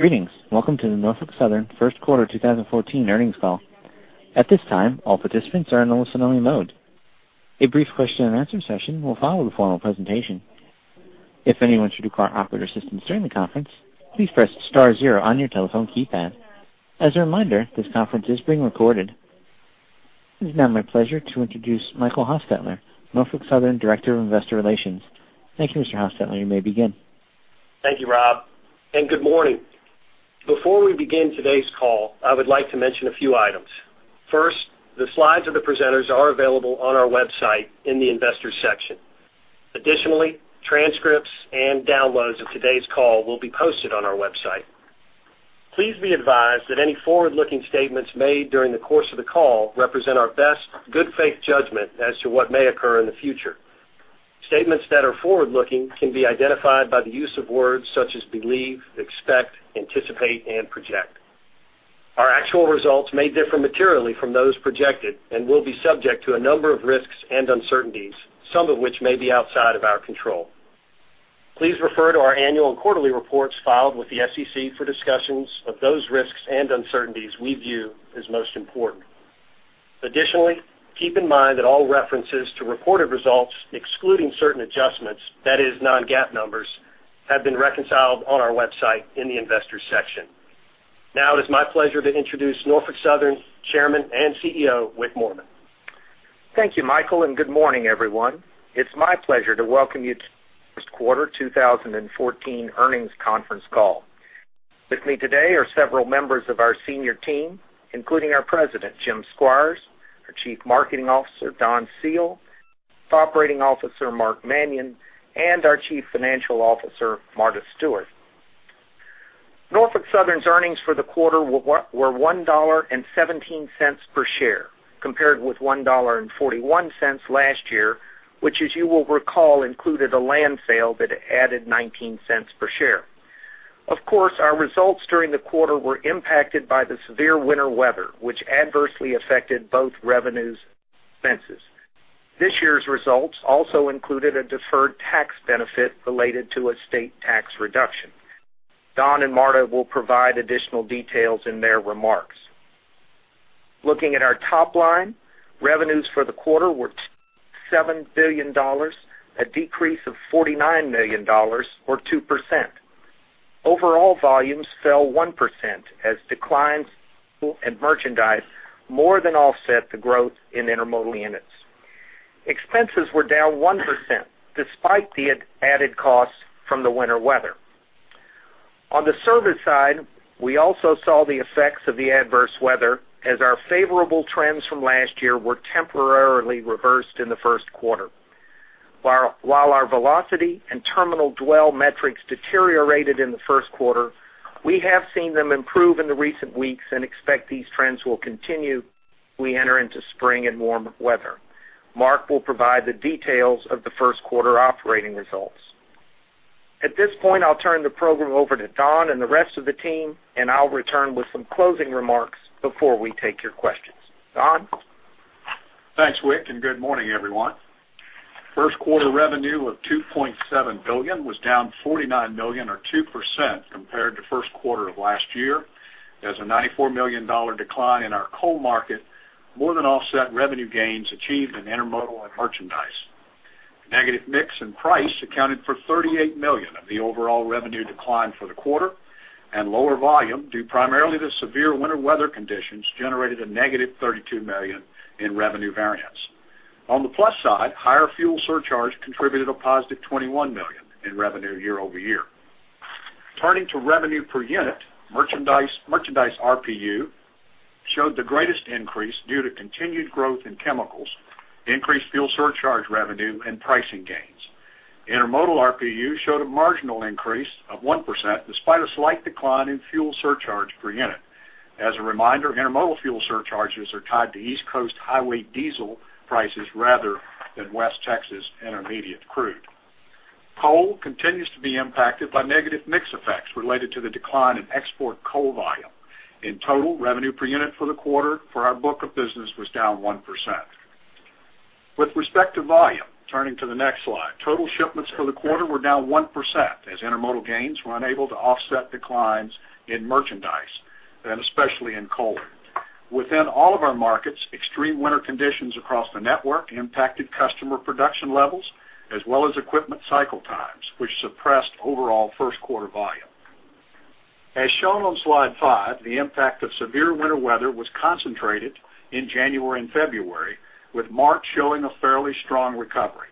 Greetings. Welcome to the Norfolk Southern First Quarter 2014 Earnings Call. At this time, all participants are in a listen-only mode. A brief question-and-answer session will follow the formal presentation. If anyone should require operator assistance during the conference, please press star zero on your telephone keypad. As a reminder, this conference is being recorded. It is now my pleasure to introduce Michael Hostetler, Norfolk Southern, Director of Investor Relations. Thank you, Mr. Hostetler. You may begin. Thank you, Rob, and good morning. Before we begin today's call, I would like to mention a few items. First, the slides of the presenters are available on our website in the Investors section. Additionally, transcripts and downloads of today's call will be posted on our website. Please be advised that any forward-looking statements made during the course of the call represent our best good faith judgment as to what may occur in the future. Statements that are forward-looking can be identified by the use of words such as believe, expect, anticipate, and project. Our actual results may differ materially from those projected and will be subject to a number of risks and uncertainties, some of which may be outside of our control. Please refer to our annual and quarterly reports filed with the SEC for discussions of those risks and uncertainties we view as most important. Additionally, keep in mind that all references to reported results, excluding certain adjustments, that is non-GAAP numbers, have been reconciled on our website in the Investors section. Now, it is my pleasure to introduce Norfolk Southern Chairman and CEO, Wick Moorman. Thank you, Michael, and good morning, everyone. It's my pleasure to welcome you to the First Quarter 2014 Earnings Conference Call. With me today are several members of our senior team, including our President, Jim Squires, our Chief Marketing Officer, Don Seale, Chief Operating Officer, Mark Manion, and our Chief Financial Officer, Marta Stewart. Norfolk Southern's earnings for the quarter were $1.17 per share, compared with $1.41 last year, which, as you will recall, included a land sale that added 19 cents per share. Of course, our results during the quarter were impacted by the severe winter weather, which adversely affected both revenues and expenses. This year's results also included a deferred tax benefit related to a state tax reduction. Don and Marta will provide additional details in their remarks. Looking at our top line, revenues for the quarter were $7 billion, a decrease of $49 million or 2%. Overall volumes fell 1% as declines in fuel and merchandise more than offset the growth in intermodal units. Expenses were down 1%, despite the added costs from the winter weather. On the service side, we also saw the effects of the adverse weather as our favorable trends from last year were temporarily reversed in the first quarter. While our velocity and terminal dwell metrics deteriorated in the first quarter, we have seen them improve in the recent weeks and expect these trends will continue as we enter into spring and warmer weather. Mark will provide the details of the first quarter operating results. At this point, I'll turn the program over to Don and the rest of the team, and I'll return with some closing remarks before we take your questions. Don? Thanks, Wick, and good morning, everyone. First quarter revenue of $2.7 billion was down $49 million or 2% compared to first quarter of last year, as a $94 million decline in our coal market more than offset revenue gains achieved in intermodal and merchandise. Negative mix and price accounted for $38 million of the overall revenue decline for the quarter, and lower volume, due primarily to severe winter weather conditions, generated a negative $32 million in revenue variance. On the plus side, higher fuel surcharge contributed a positive $21 million in revenue year-over-year. Turning to revenue per unit, merchandise, merchandise RPU showed the greatest increase due to continued growth in chemicals, increased fuel surcharge revenue, and pricing gains. Intermodal RPU showed a marginal increase of 1%, despite a slight decline in fuel surcharge per unit. As a reminder, intermodal fuel surcharges are tied to East Coast highway diesel prices rather than West Texas Intermediate crude. Coal continues to be impacted by negative mix effects related to the decline in export coal volume. In total, revenue per unit for the quarter for our book of business was down 1%. With respect to volume, turning to the next slide, total shipments for the quarter were down 1%, as intermodal gains were unable to offset declines in merchandise and especially in coal. Within all of our markets, extreme winter conditions across the network impacted customer production levels, as well as equipment cycle times, which suppressed overall first quarter volume. As shown on slide 5, the impact of severe winter weather was concentrated in January and February, with March showing a fairly strong recovery.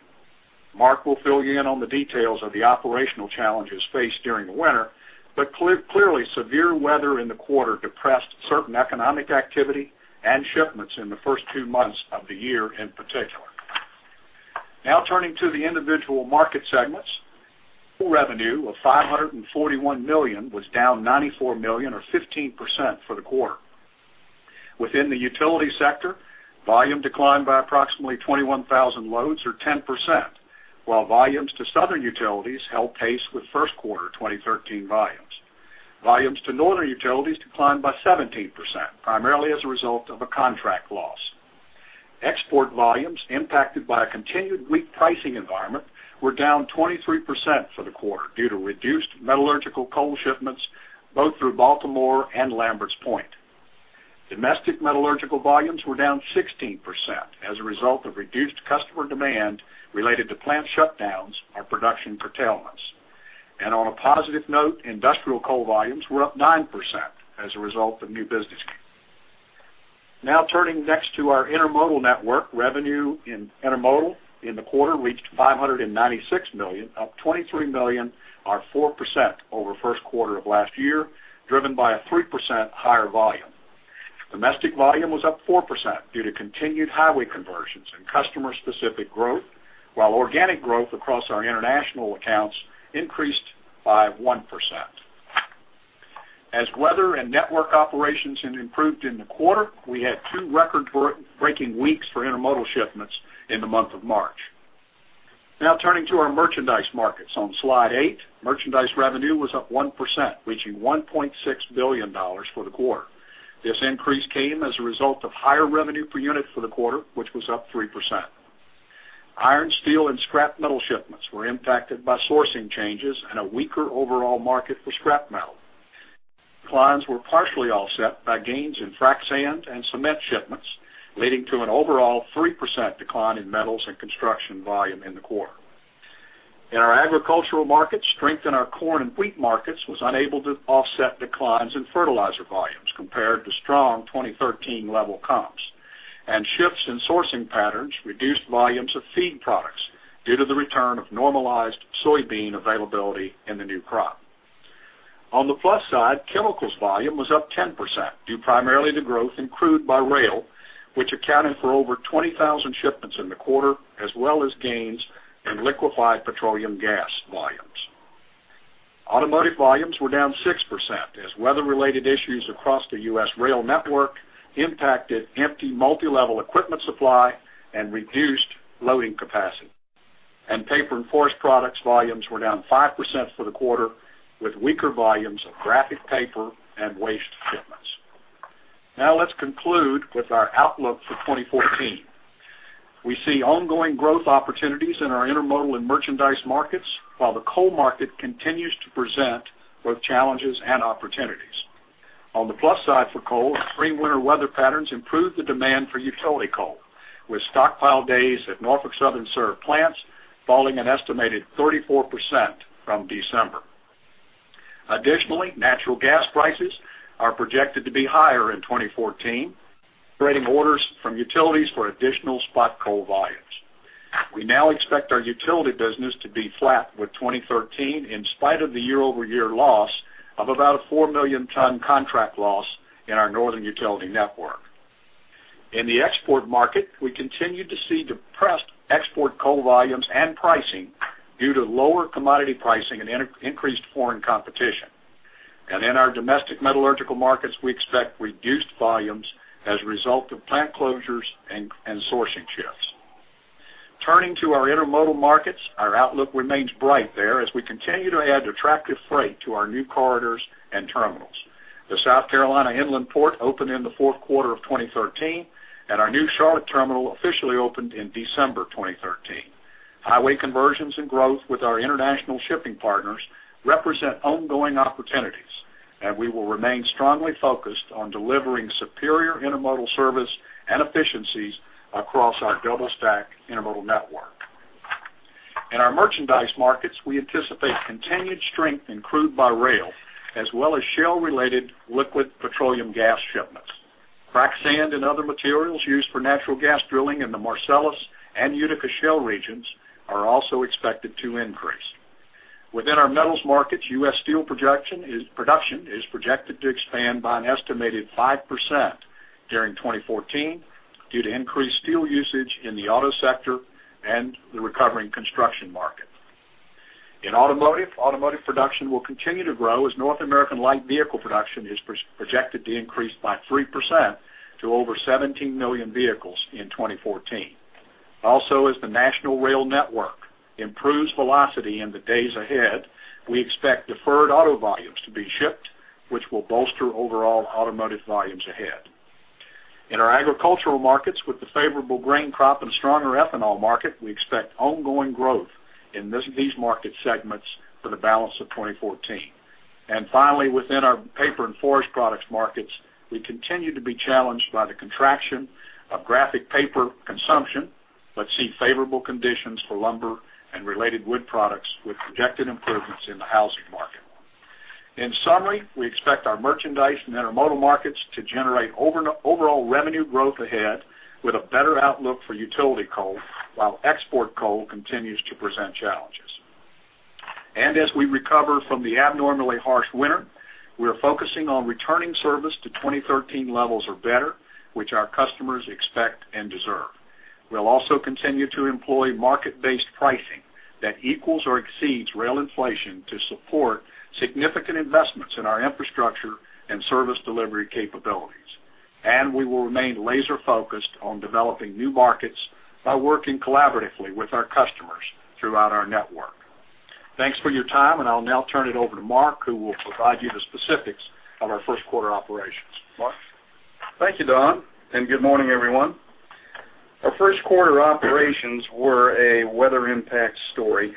Mark will fill you in on the details of the operational challenges faced during the winter, but clearly, severe weather in the quarter depressed certain economic activity and shipments in the first two months of the year in particular. Now, turning to the individual market segments. Coal revenue of $541 million was down $94 million or 15% for the quarter. Within the utility sector, volume declined by approximately 21,000 loads or 10%, while volumes to southern utilities held pace with first quarter 2013 volumes. Volumes to northern utilities declined by 17%, primarily as a result of a contract loss. Export volumes, impacted by a continued weak pricing environment, were down 23% for the quarter due to reduced metallurgical coal shipments, both through Baltimore and Lamberts Point. Domestic metallurgical volumes were down 16% as a result of reduced customer demand related to plant shutdowns or production curtailments. And on a positive note, industrial coal volumes were up 9% as a result of new business. Now turning next to our intermodal network, revenue in intermodal in the quarter reached $596 million, up $23 million, or 4% over first quarter of last year, driven by a 3% higher volume. Domestic volume was up 4% due to continued highway conversions and customer-specific growth, while organic growth across our international accounts increased by 1%. As weather and network operations have improved in the quarter, we had two record-breaking weeks for intermodal shipments in the month of March. Now turning to our merchandise markets on Slide 8, merchandise revenue was up 1%, reaching $1.6 billion for the quarter. This increase came as a result of higher revenue per unit for the quarter, which was up 3%. Iron, steel, and scrap metal shipments were impacted by sourcing changes and a weaker overall market for scrap metal. Declines were partially offset by gains in frac sand and cement shipments, leading to an overall 3% decline in metals and construction volume in the quarter. In our agricultural markets, strength in our corn and wheat markets was unable to offset declines in fertilizer volumes compared to strong 2013 level comps, and shifts in sourcing patterns reduced volumes of feed products due to the return of normalized soybean availability in the new crop. On the plus side, chemicals volume was up 10%, due primarily to growth in crude by rail, which accounted for over 20,000 shipments in the quarter, as well as gains in liquefied petroleum gas volumes. Automotive volumes were down 6% as weather-related issues across the U.S. rail network impacted empty multilevel equipment supply and reduced loading capacity. Paper and forest products volumes were down 5% for the quarter, with weaker volumes of graphic paper and waste shipments. Now, let's conclude with our outlook for 2014. We see ongoing growth opportunities in our intermodal and merchandise markets, while the coal market continues to present both challenges and opportunities. On the plus side for coal, extreme winter weather patterns improved the demand for utility coal, with stockpile days at Norfolk Southern served plants falling an estimated 34% from December. Additionally, natural gas prices are projected to be higher in 2014, creating orders from utilities for additional spot coal volumes. We now expect our utility business to be flat with 2013, in spite of the year-over-year loss of about a 4 million ton contract loss in our northern utility network. In the export market, we continue to see depressed export coal volumes and pricing due to lower commodity pricing and increased foreign competition. In our domestic metallurgical markets, we expect reduced volumes as a result of plant closures and sourcing shifts. Turning to our intermodal markets, our outlook remains bright there as we continue to add attractive freight to our new corridors and terminals. The South Carolina Inland Port opened in the fourth quarter of 2013, and our new Charlotte terminal officially opened in December 2013. Highway conversions and growth with our international shipping partners represent ongoing opportunities, and we will remain strongly focused on delivering superior intermodal service and efficiencies across our double stack intermodal network. In our merchandise markets, we anticipate continued strength in crude by rail, as well as shale-related liquid petroleum gas shipments. Frac sand and other materials used for natural gas drilling in the Marcellus and Utica Shale regions are also expected to increase. Within our metals markets, U.S. Steel production is projected to expand by an estimated 5% during 2014 due to increased steel usage in the auto sector and the recovering construction market. In automotive, automotive production will continue to grow as North American light vehicle production is projected to increase by 3% to over 17 million vehicles in 2014. Also, as the national rail network improves velocity in the days ahead, we expect deferred auto volumes to be shipped, which will bolster overall automotive volumes ahead. In our agricultural markets, with the favorable grain crop and stronger ethanol market, we expect ongoing growth in these market segments for the balance of 2014. And finally, within our paper and forest products markets, we continue to be challenged by the contraction of graphic paper consumption, but see favorable conditions for lumber and related wood products with projected improvements in the housing market. In summary, we expect our merchandise and intermodal markets to generate overall revenue growth ahead, with a better outlook for utility coal, while export coal continues to present challenges. And as we recover from the abnormally harsh winter, we are focusing on returning service to 2013 levels or better, which our customers expect and deserve. We'll also continue to employ market-based pricing that equals or exceeds rail inflation to support significant investments in our infrastructure and service delivery capabilities. We will remain laser focused on developing new markets by working collaboratively with our customers throughout our network... Thanks for your time, and I'll now turn it over to Mark, who will provide you the specifics of our first quarter operations. Mark? Thank you, Don, and good morning, everyone. Our first quarter operations were a weather impact story.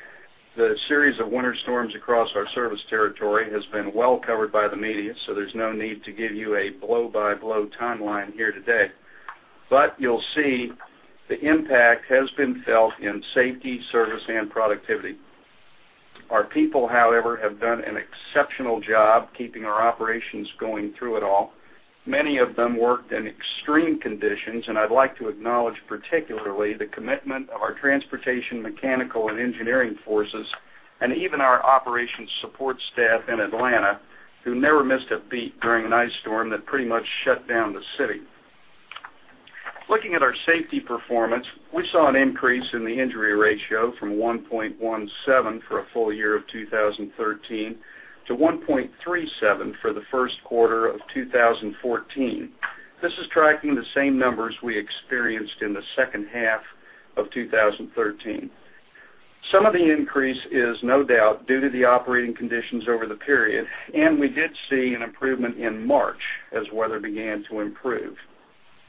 The series of winter storms across our service territory has been well covered by the media, so there's no need to give you a blow-by-blow timeline here today. But you'll see the impact has been felt in safety, service, and productivity. Our people, however, have done an exceptional job keeping our operations going through it all. Many of them worked in extreme conditions, and I'd like to acknowledge, particularly, the commitment of our transportation, mechanical, and engineering forces, and even our operations support staff in Atlanta, who never missed a beat during an ice storm that pretty much shut down the city. Looking at our safety performance, we saw an increase in the injury ratio from 1.17 for a full year of 2013, to 1.37 for the first quarter of 2014. This is tracking the same numbers we experienced in the second half of 2013. Some of the increase is no doubt due to the operating conditions over the period, and we did see an improvement in March as weather began to improve.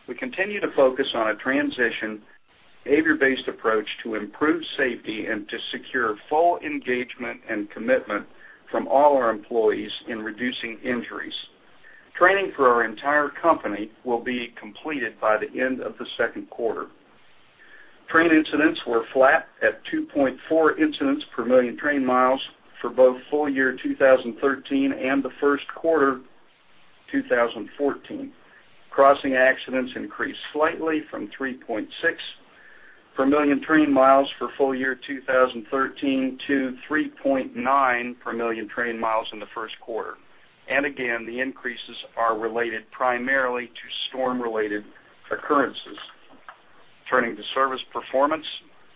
We continue to focus on a transition, behavior-based approach to improve safety and to secure full engagement and commitment from all our employees in reducing injuries. Training for our entire company will be completed by the end of the second quarter. Train incidents were flat at 2.4 incidents per million train miles for both full year 2013 and the first quarter, 2014. Crossing accidents increased slightly from 3.6 per million train miles for full year 2013 to 3.9 per million train miles in the first quarter. Again, the increases are related primarily to storm-related occurrences. Turning to service performance.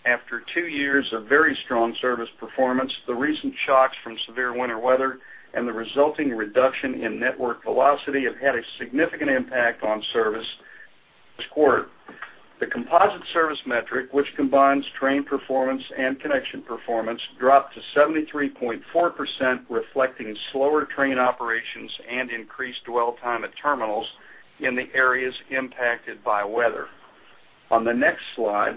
After two years of very strong service performance, the recent shocks from severe winter weather and the resulting reduction in network velocity have had a significant impact on service this quarter. The composite service metric, which combines train performance and connection performance, dropped to 73.4%, reflecting slower train operations and increased dwell time at terminals in the areas impacted by weather. On the next slide,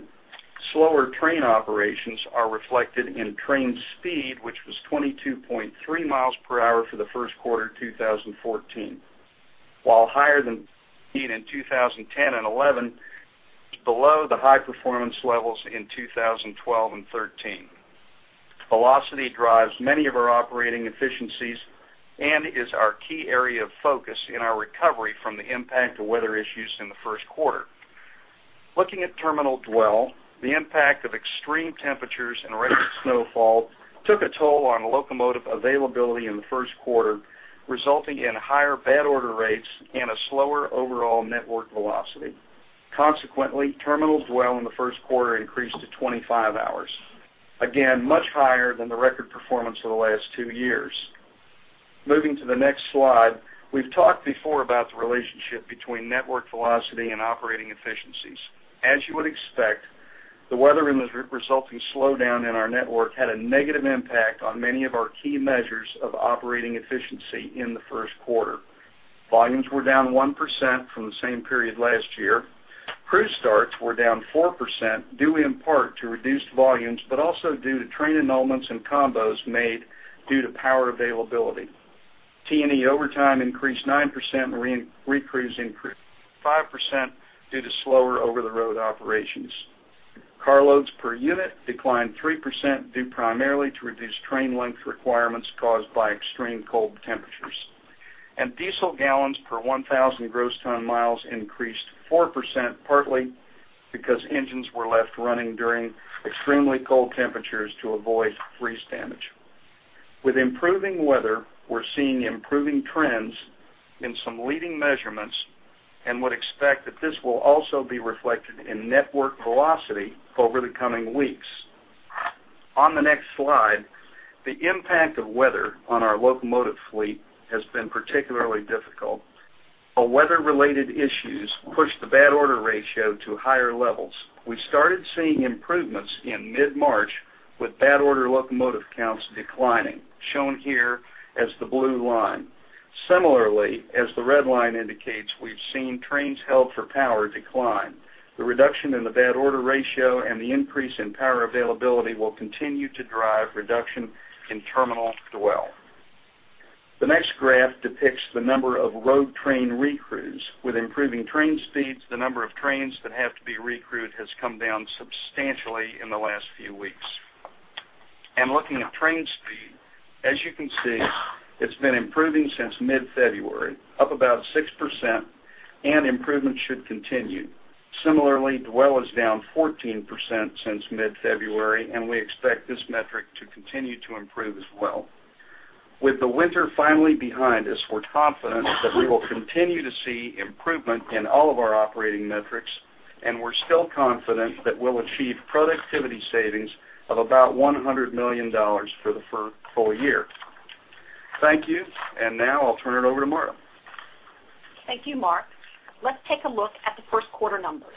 slower train operations are reflected in train speed, which was 22.3 miles per hour for the first quarter of 2014, while higher than seen in 2010 and 2011, below the high performance levels in 2012 and 2013. Velocity drives many of our operating efficiencies and is our key area of focus in our recovery from the impact of weather issues in the first quarter. Looking at terminal dwell, the impact of extreme temperatures and record snowfall took a toll on locomotive availability in the first quarter, resulting in higher bad order rates and a slower overall network velocity. Consequently, terminal dwell in the first quarter increased to 25 hours, again, much higher than the record performance for the last two years. Moving to the next slide, we've talked before about the relationship between network velocity and operating efficiencies. As you would expect, the weather and the resulting slowdown in our network had a negative impact on many of our key measures of operating efficiency in the first quarter. Volumes were down 1% from the same period last year. Crew starts were down 4%, due in part to reduced volumes, but also due to train annulments and combos made due to power availability. T&E overtime increased 9%, and re-recrews increased 5% due to slower over-the-road operations. Car loads per unit declined 3%, due primarily to reduced train length requirements caused by extreme cold temperatures. Diesel gallons per 1,000 gross ton miles increased 4%, partly because engines were left running during extremely cold temperatures to avoid freeze damage. With improving weather, we're seeing improving trends in some leading measurements and would expect that this will also be reflected in network velocity over the coming weeks. On the next slide, the impact of weather on our locomotive fleet has been particularly difficult, but weather-related issues pushed the bad order ratio to higher levels. We started seeing improvements in mid-March, with bad order locomotive counts declining, shown here as the blue line. Similarly, as the red line indicates, we've seen trains held for power decline. The reduction in the bad order ratio and the increase in power availability will continue to drive reduction in terminal dwell. The next graph depicts the number of road train recrews. With improving train speeds, the number of trains that have to be recrewed has come down substantially in the last few weeks. Looking at train speed, as you can see, it's been improving since mid-February, up about 6%, and improvement should continue. Similarly, dwell is down 14% since mid-February, and we expect this metric to continue to improve as well. With the winter finally behind us, we're confident that we will continue to see improvement in all of our operating metrics, and we're still confident that we'll achieve productivity savings of about $100 million for the full year. Thank you, and now I'll turn it over to Marta.... Thank you, Mark. Let's take a look at the first quarter numbers.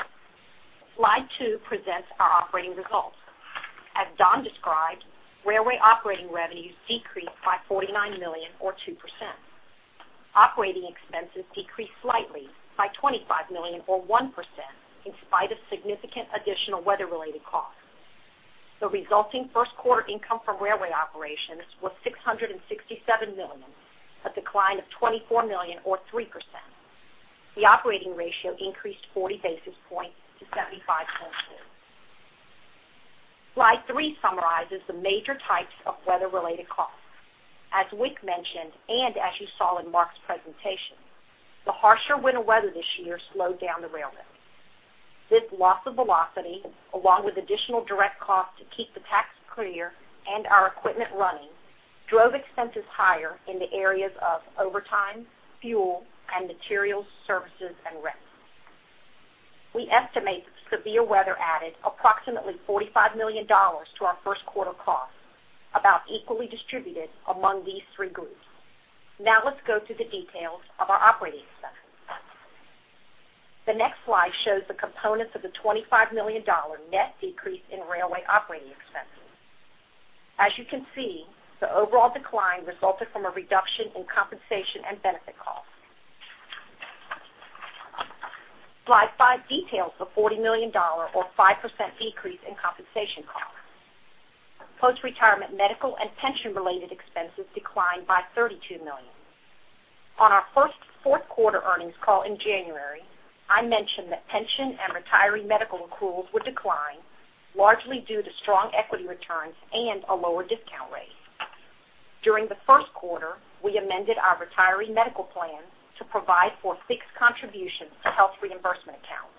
Slide 2 presents our operating results. As Don described, railway operating revenues decreased by $49 million, or 2%. Operating expenses decreased slightly by $25 million, or 1%, in spite of significant additional weather-related costs. The resulting first quarter income from railway operations was $667 million, a decline of $24 million or 3%. The operating ratio increased 40 basis points to 75.4%. Slide 3 summarizes the major types of weather-related costs. As Wick mentioned, and as you saw in Mark's presentation, the harsher winter weather this year slowed down the railroad. This loss of velocity, along with additional direct costs to keep the tracks clear and our equipment running, drove expenses higher in the areas of overtime, fuel, and materials, services, and rents. We estimate the severe weather added approximately $45 million to our first quarter costs, about equally distributed among these three groups. Now let's go through the details of our operating expenses. The next slide shows the components of the $25 million net decrease in railway operating expenses. As you can see, the overall decline resulted from a reduction in compensation and benefit costs. Slide 5 details the $40 million or 5% decrease in compensation costs. Post-retirement medical and pension-related expenses declined by $32 million. On our fourth quarter earnings call in January, I mentioned that pension and retiree medical accruals would decline, largely due to strong equity returns and a lower discount rate. During the first quarter, we amended our retiree medical plan to provide for fixed contributions to health reimbursement accounts.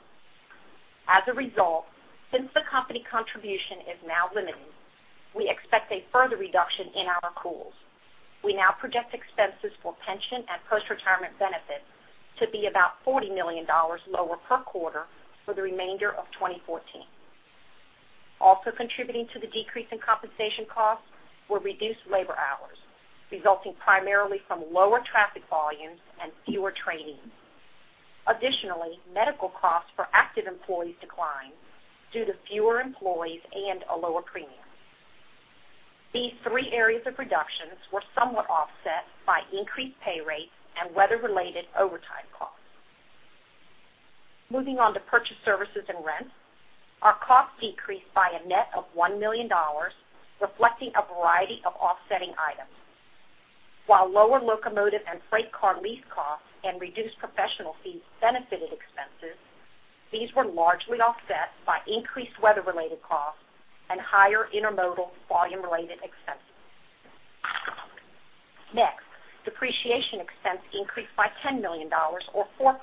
As a result, since the company contribution is now limited, we expect a further reduction in our accruals. We now project expenses for pension and postretirement benefits to be about $40 million lower per quarter for the remainder of 2014. Also contributing to the decrease in compensation costs were reduced labor hours, resulting primarily from lower traffic volumes and fewer trainings. Additionally, medical costs for active employees declined due to fewer employees and a lower premium. These three areas of reductions were somewhat offset by increased pay rates and weather-related overtime costs. Moving on to purchase services and rent, our costs decreased by a net of $1 million, reflecting a variety of offsetting items. While lower locomotive and freight car lease costs and reduced professional fees benefited expenses, these were largely offset by increased weather-related costs and higher intermodal volume-related expenses. Next, depreciation expense increased by $10 million or 4%,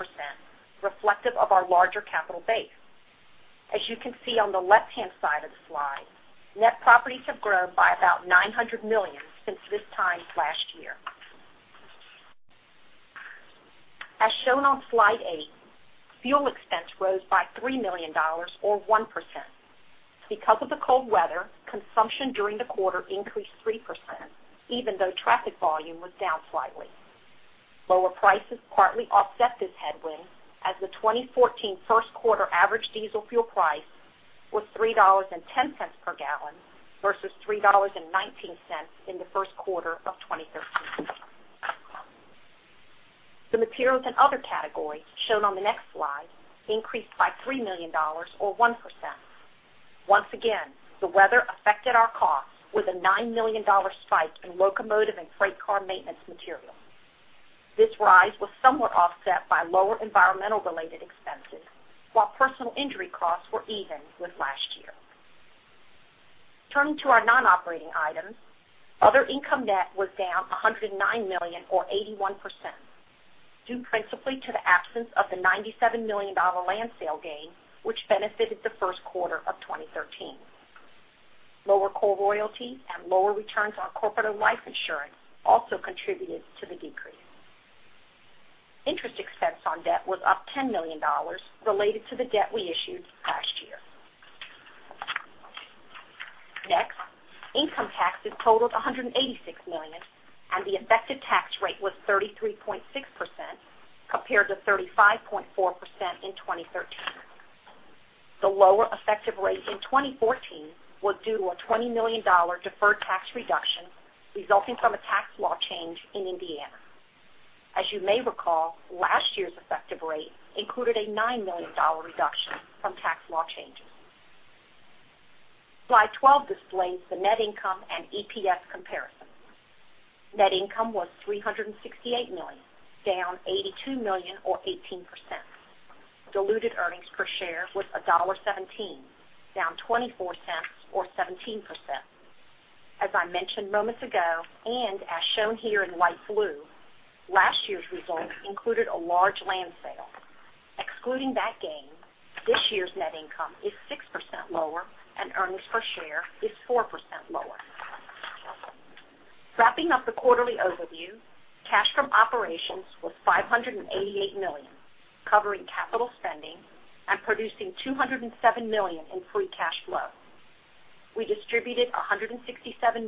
reflective of our larger capital base. As you can see on the left-hand side of the slide, net properties have grown by about $900 million since this time last year. As shown on slide 8, fuel expense rose by $3 million or 1%. Because of the cold weather, consumption during the quarter increased 3%, even though traffic volume was down slightly. Lower prices partly offset this headwind, as the 2014 first quarter average diesel fuel price was $3.10 per gallon versus $3.19 in the first quarter of 2013. The materials and other categories shown on the next slide increased by $3 million or 1%. Once again, the weather affected our costs with a $9 million spike in locomotive and freight car maintenance materials. This rise was somewhat offset by lower environmental-related expenses, while personal injury costs were even with last year. Turning to our non-operating items, other income net was down $109 million or 81%, due principally to the absence of the $97 million land sale gain, which benefited the first quarter of 2013. Lower coal royalty and lower returns on corporate and life insurance also contributed to the decrease. Interest expense on debt was up $10 million related to the debt we issued last year. Next, income taxes totaled $186 million, and the effective tax rate was 33.6%, compared to 35.4% in 2013. The lower effective rate in 2014 was due to a $20 million deferred tax reduction resulting from a tax law change in Indiana. As you may recall, last year's effective rate included a $9 million reduction from tax law changes. Slide 12 displays the net income and EPS comparison. Net income was $368 million, down $82 million or 18%. Diluted earnings per share was $1.17, down $0.24 or 17%. As I mentioned moments ago, and as shown here in light blue, last year's results included a large land sale. Excluding that gain, this year's net income is 6% lower, and earnings per share is 4% lower. Wrapping up the quarterly overview, cash from operations was $588 million, covering capital spending and producing $207 million in free cash flow.... We distributed $167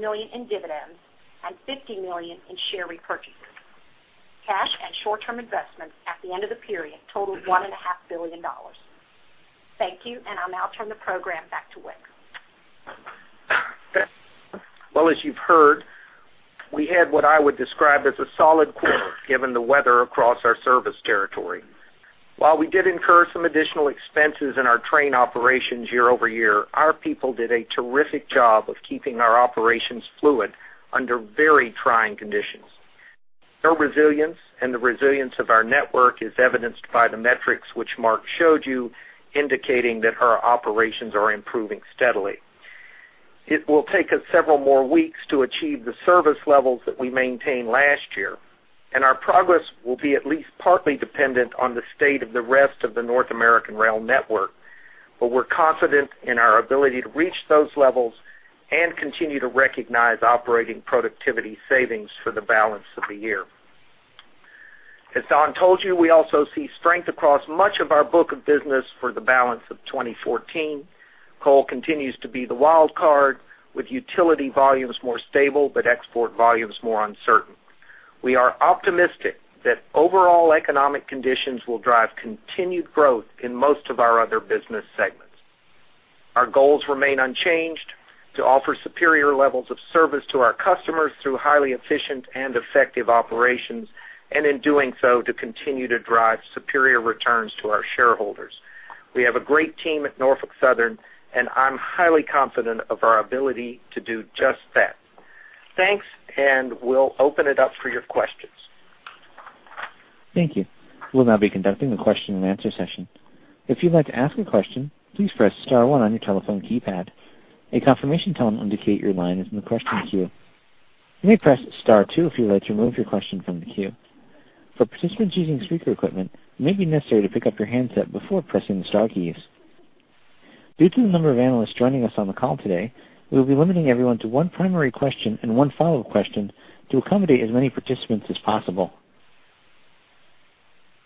million in dividends and $50 million in share repurchases. Cash and short-term investments at the end of the period totaled $1.5 billion. Thank you, and I'll now turn the program back to Wick. Well, as you've heard, we had what I would describe as a solid quarter, given the weather across our service territory. While we did incur some additional expenses in our train operations year-over-year, our people did a terrific job of keeping our operations fluid under very trying conditions. Their resilience and the resilience of our network is evidenced by the metrics which Mark showed you, indicating that our operations are improving steadily. It will take us several more weeks to achieve the service levels that we maintained last year, and our progress will be at least partly dependent on the state of the rest of the North American rail network. But we're confident in our ability to reach those levels and continue to recognize operating productivity savings for the balance of the year. As Don told you, we also see strength across much of our book of business for the balance of 2014. Coal continues to be the wild card, with utility volumes more stable, but export volumes more uncertain. We are optimistic that overall economic conditions will drive continued growth in most of our other business segments. Our goals remain unchanged: to offer superior levels of service to our customers through highly efficient and effective operations, and in doing so, to continue to drive superior returns to our shareholders. We have a great team at Norfolk Southern, and I'm highly confident of our ability to do just that. Thanks, and we'll open it up for your questions. Thank you. We'll now be conducting the question-and-answer session. If you'd like to ask a question, please press star one on your telephone keypad. A confirmation tone will indicate your line is in the question queue. You may press star two if you'd like to remove your question from the queue. For participants using speaker equipment, it may be necessary to pick up your handset before pressing the star keys. Due to the number of analysts joining us on the call today, we will be limiting everyone to one primary question and one follow-up question to accommodate as many participants as possible.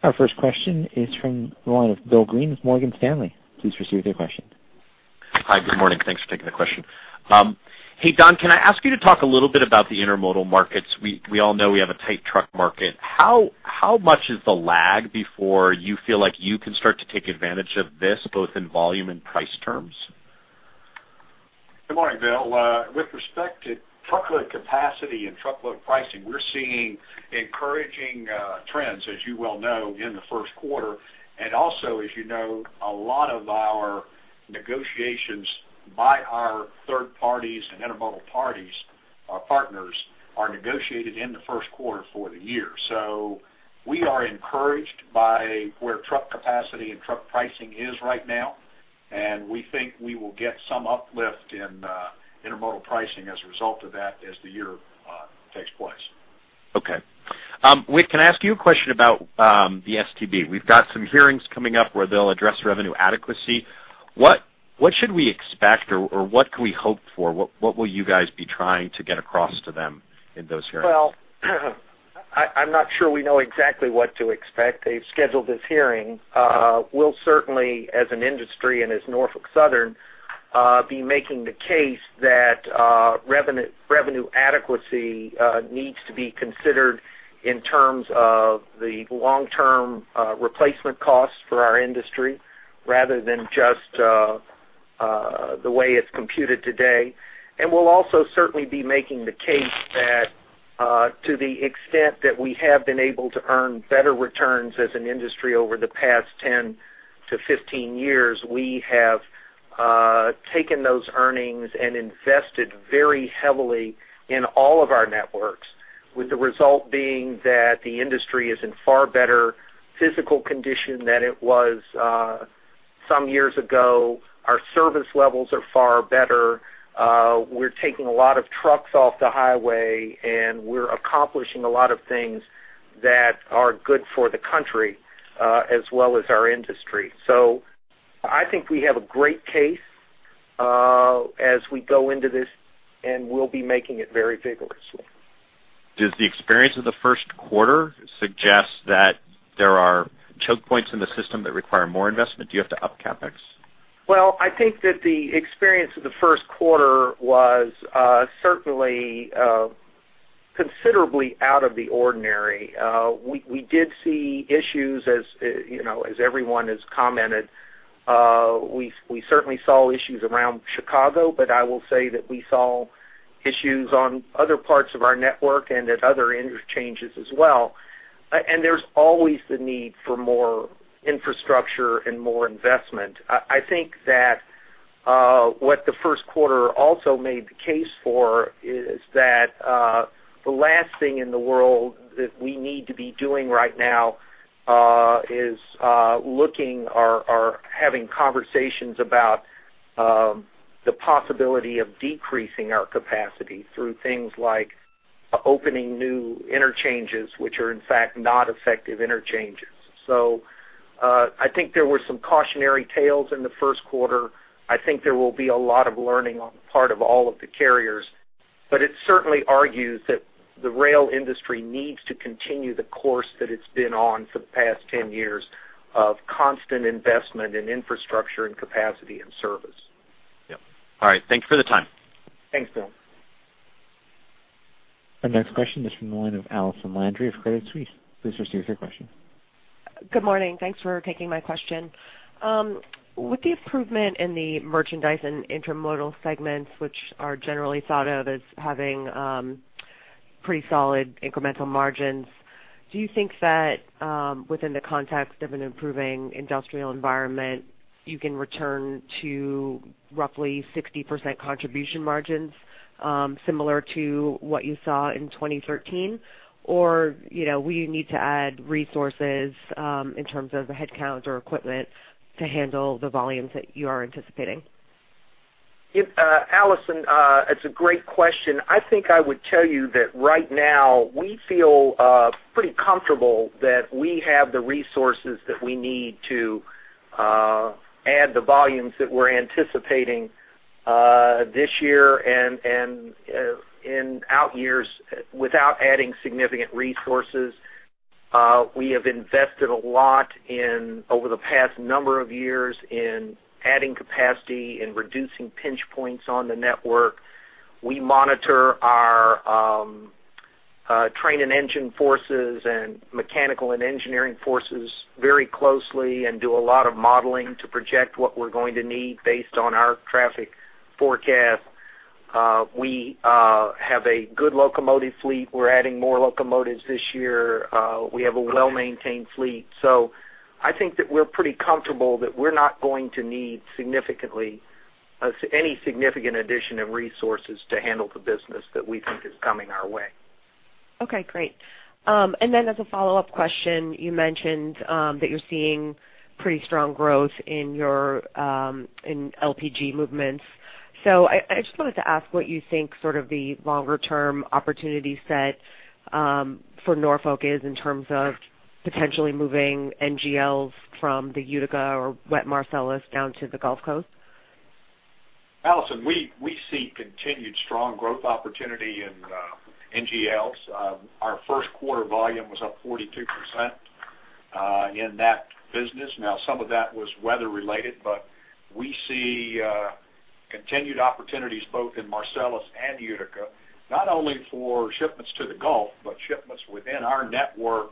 Our first question is from the line of Bill Greene with Morgan Stanley. Please proceed with your question. Hi, good morning. Thanks for taking the question. Hey, Don, can I ask you to talk a little bit about the intermodal markets? We all know we have a tight truck market. How much is the lag before you feel like you can start to take advantage of this, both in volume and price terms? Good morning, Bill. With respect to truckload capacity and truckload pricing, we're seeing encouraging trends, as you well know, in the first quarter. Also, as you know, a lot of our negotiations by our third parties and intermodal parties, our partners, are negotiated in the first quarter for the year. So we are encouraged by where truck capacity and truck pricing is right now, and we think we will get some uplift in intermodal pricing as a result of that as the year takes place. Okay. Wick, can I ask you a question about the STB? We've got some hearings coming up where they'll address revenue adequacy. What should we expect or what can we hope for? What will you guys be trying to get across to them in those hearings? Well, I, I'm not sure we know exactly what to expect. They've scheduled this hearing. We'll certainly, as an industry and as Norfolk Southern, be making the case that revenue adequacy needs to be considered in terms of the long-term replacement costs for our industry, rather than just the way it's computed today. And we'll also certainly be making the case that to the extent that we have been able to earn better returns as an industry over the past 10-15 years, we have taken those earnings and invested very heavily in all of our networks, with the result being that the industry is in far better physical condition than it was some years ago. Our service levels are far better. We're taking a lot of trucks off the highway, and we're accomplishing a lot of things that are good for the country, as well as our industry. So I think we have a great case, as we go into this, and we'll be making it very vigorously. Does the experience of the first quarter suggest that there are choke points in the system that require more investment? Do you have to up CapEx? Well, I think that the experience of the first quarter was certainly considerably out of the ordinary. We did see issues as you know, as everyone has commented. We certainly saw issues around Chicago, but I will say that we saw issues on other parts of our network and at other interchanges as well. And there's always the need for more infrastructure and more investment. I think that what the first quarter also made the case for is that the last thing in the world that we need to be doing right now is looking or having conversations about the possibility of decreasing our capacity through things like opening new interchanges, which are, in fact, not effective interchanges. So, I think there were some cautionary tales in the first quarter. I think there will be a lot of learning on the part of all of the carriers... but it certainly argues that the rail industry needs to continue the course that it's been on for the past 10 years of constant investment in infrastructure and capacity and service. Yep. All right, thank you for the time. Thanks, Bill. Our next question is from the line of Allison Landry of Credit Suisse. Please proceed with your question. Good morning. Thanks for taking my question. With the improvement in the merchandise and intermodal segments, which are generally thought of as having pretty solid incremental margins, do you think that within the context of an improving industrial environment, you can return to roughly 60% contribution margins, similar to what you saw in 2013? Or, you know, will you need to add resources in terms of the headcount or equipment to handle the volumes that you are anticipating? Yep, Allison, it's a great question. I think I would tell you that right now, we feel pretty comfortable that we have the resources that we need to add the volumes that we're anticipating this year and in out years without adding significant resources. We have invested a lot in, over the past number of years, in adding capacity and reducing pinch points on the network. We monitor our train and engine forces and mechanical and engineering forces very closely and do a lot of modeling to project what we're going to need based on our traffic forecast. We have a good locomotive fleet. We're adding more locomotives this year. We have a well-maintained fleet. I think that we're pretty comfortable that we're not going to need any significant addition of resources to handle the business that we think is coming our way. Okay, great. And then as a follow-up question, you mentioned that you're seeing pretty strong growth in your in LPG movements. So I, I just wanted to ask what you think sort of the longer-term opportunity set for Norfolk is in terms of potentially moving NGLs from the Utica or wet Marcellus down to the Gulf Coast? Allison, we, we see continued strong growth opportunity in, NGLs. Our first quarter volume was up 42%, in that business. Now, some of that was weather related, but we see, continued opportunities both in Marcellus and Utica, not only for shipments to the Gulf, but shipments within our network,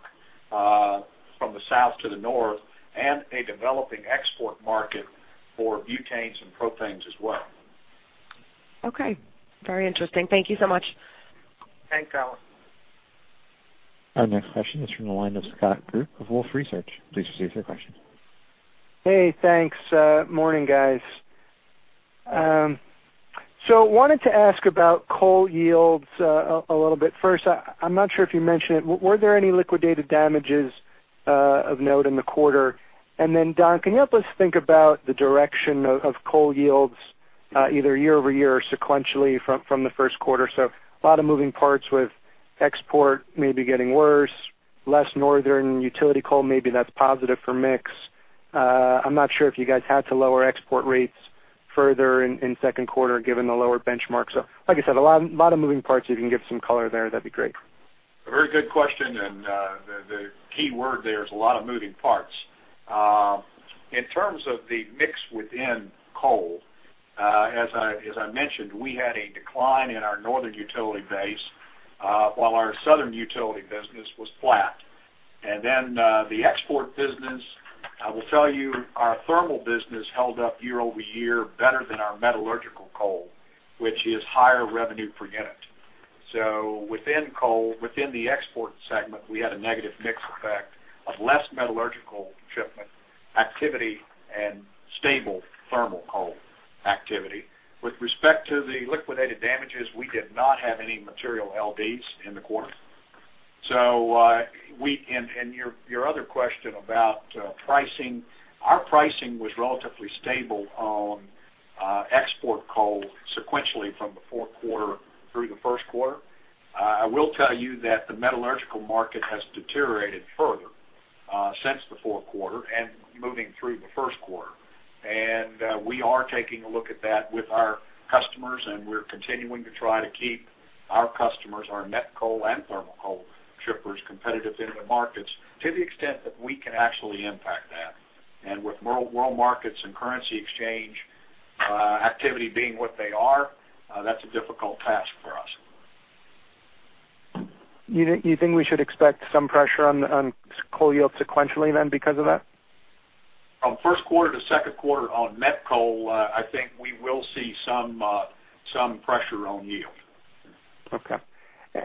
from the south to the north, and a developing export market for butanes and propanes as well. Okay. Very interesting. Thank you so much. Thanks, Allison. Our next question is from the line of Scott Group of Wolfe Research. Please proceed with your question. Hey, thanks. Morning, guys. So wanted to ask about coal yields a little bit. First, I'm not sure if you mentioned it, were there any liquidated damages of note in the quarter? And then, Don, can you help us think about the direction of coal yields either year-over-year or sequentially from the first quarter? So a lot of moving parts with export maybe getting worse, less northern utility coal, maybe that's positive for mix. I'm not sure if you guys had to lower export rates further in second quarter, given the lower benchmark. So like I said, a lot of moving parts. If you can give some color there, that'd be great. A very good question, and, the key word there is a lot of moving parts. In terms of the mix within coal, as I mentioned, we had a decline in our northern utility base, while our southern utility business was flat. And then, the export business, I will tell you, our thermal business held up year-over-year better than our metallurgical coal, which is higher revenue per unit. So within coal, within the export segment, we had a negative mix effect of less metallurgical shipment activity and stable thermal coal activity. With respect to the liquidated damages, we did not have any material LDs in the quarter. So, and your other question about pricing, our pricing was relatively stable on export coal sequentially from the fourth quarter through the first quarter. I will tell you that the metallurgical market has deteriorated further, since the fourth quarter and moving through the first quarter. We are taking a look at that with our customers, and we're continuing to try to keep our customers, our met coal and thermal coal shippers, competitive in the markets to the extent that we can actually impact that. With world markets and currency exchange activity being what they are, that's a difficult task for us. You think we should expect some pressure on coal yield sequentially then, because of that? From first quarter to second quarter on met coal, I think we will see some pressure on yield. Okay.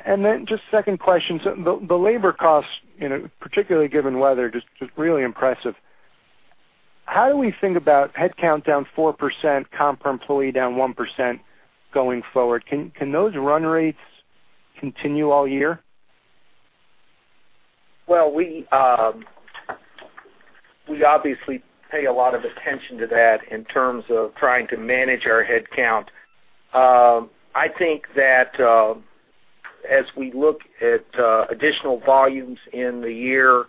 And then just second question, so the labor costs, you know, particularly given weather, just really impressive. How do we think about headcount down 4%, comp employee down 1% going forward? Can those run rates continue all year? Well, we obviously pay a lot of attention to that in terms of trying to manage our headcount. I think that as we look at additional volumes in the year,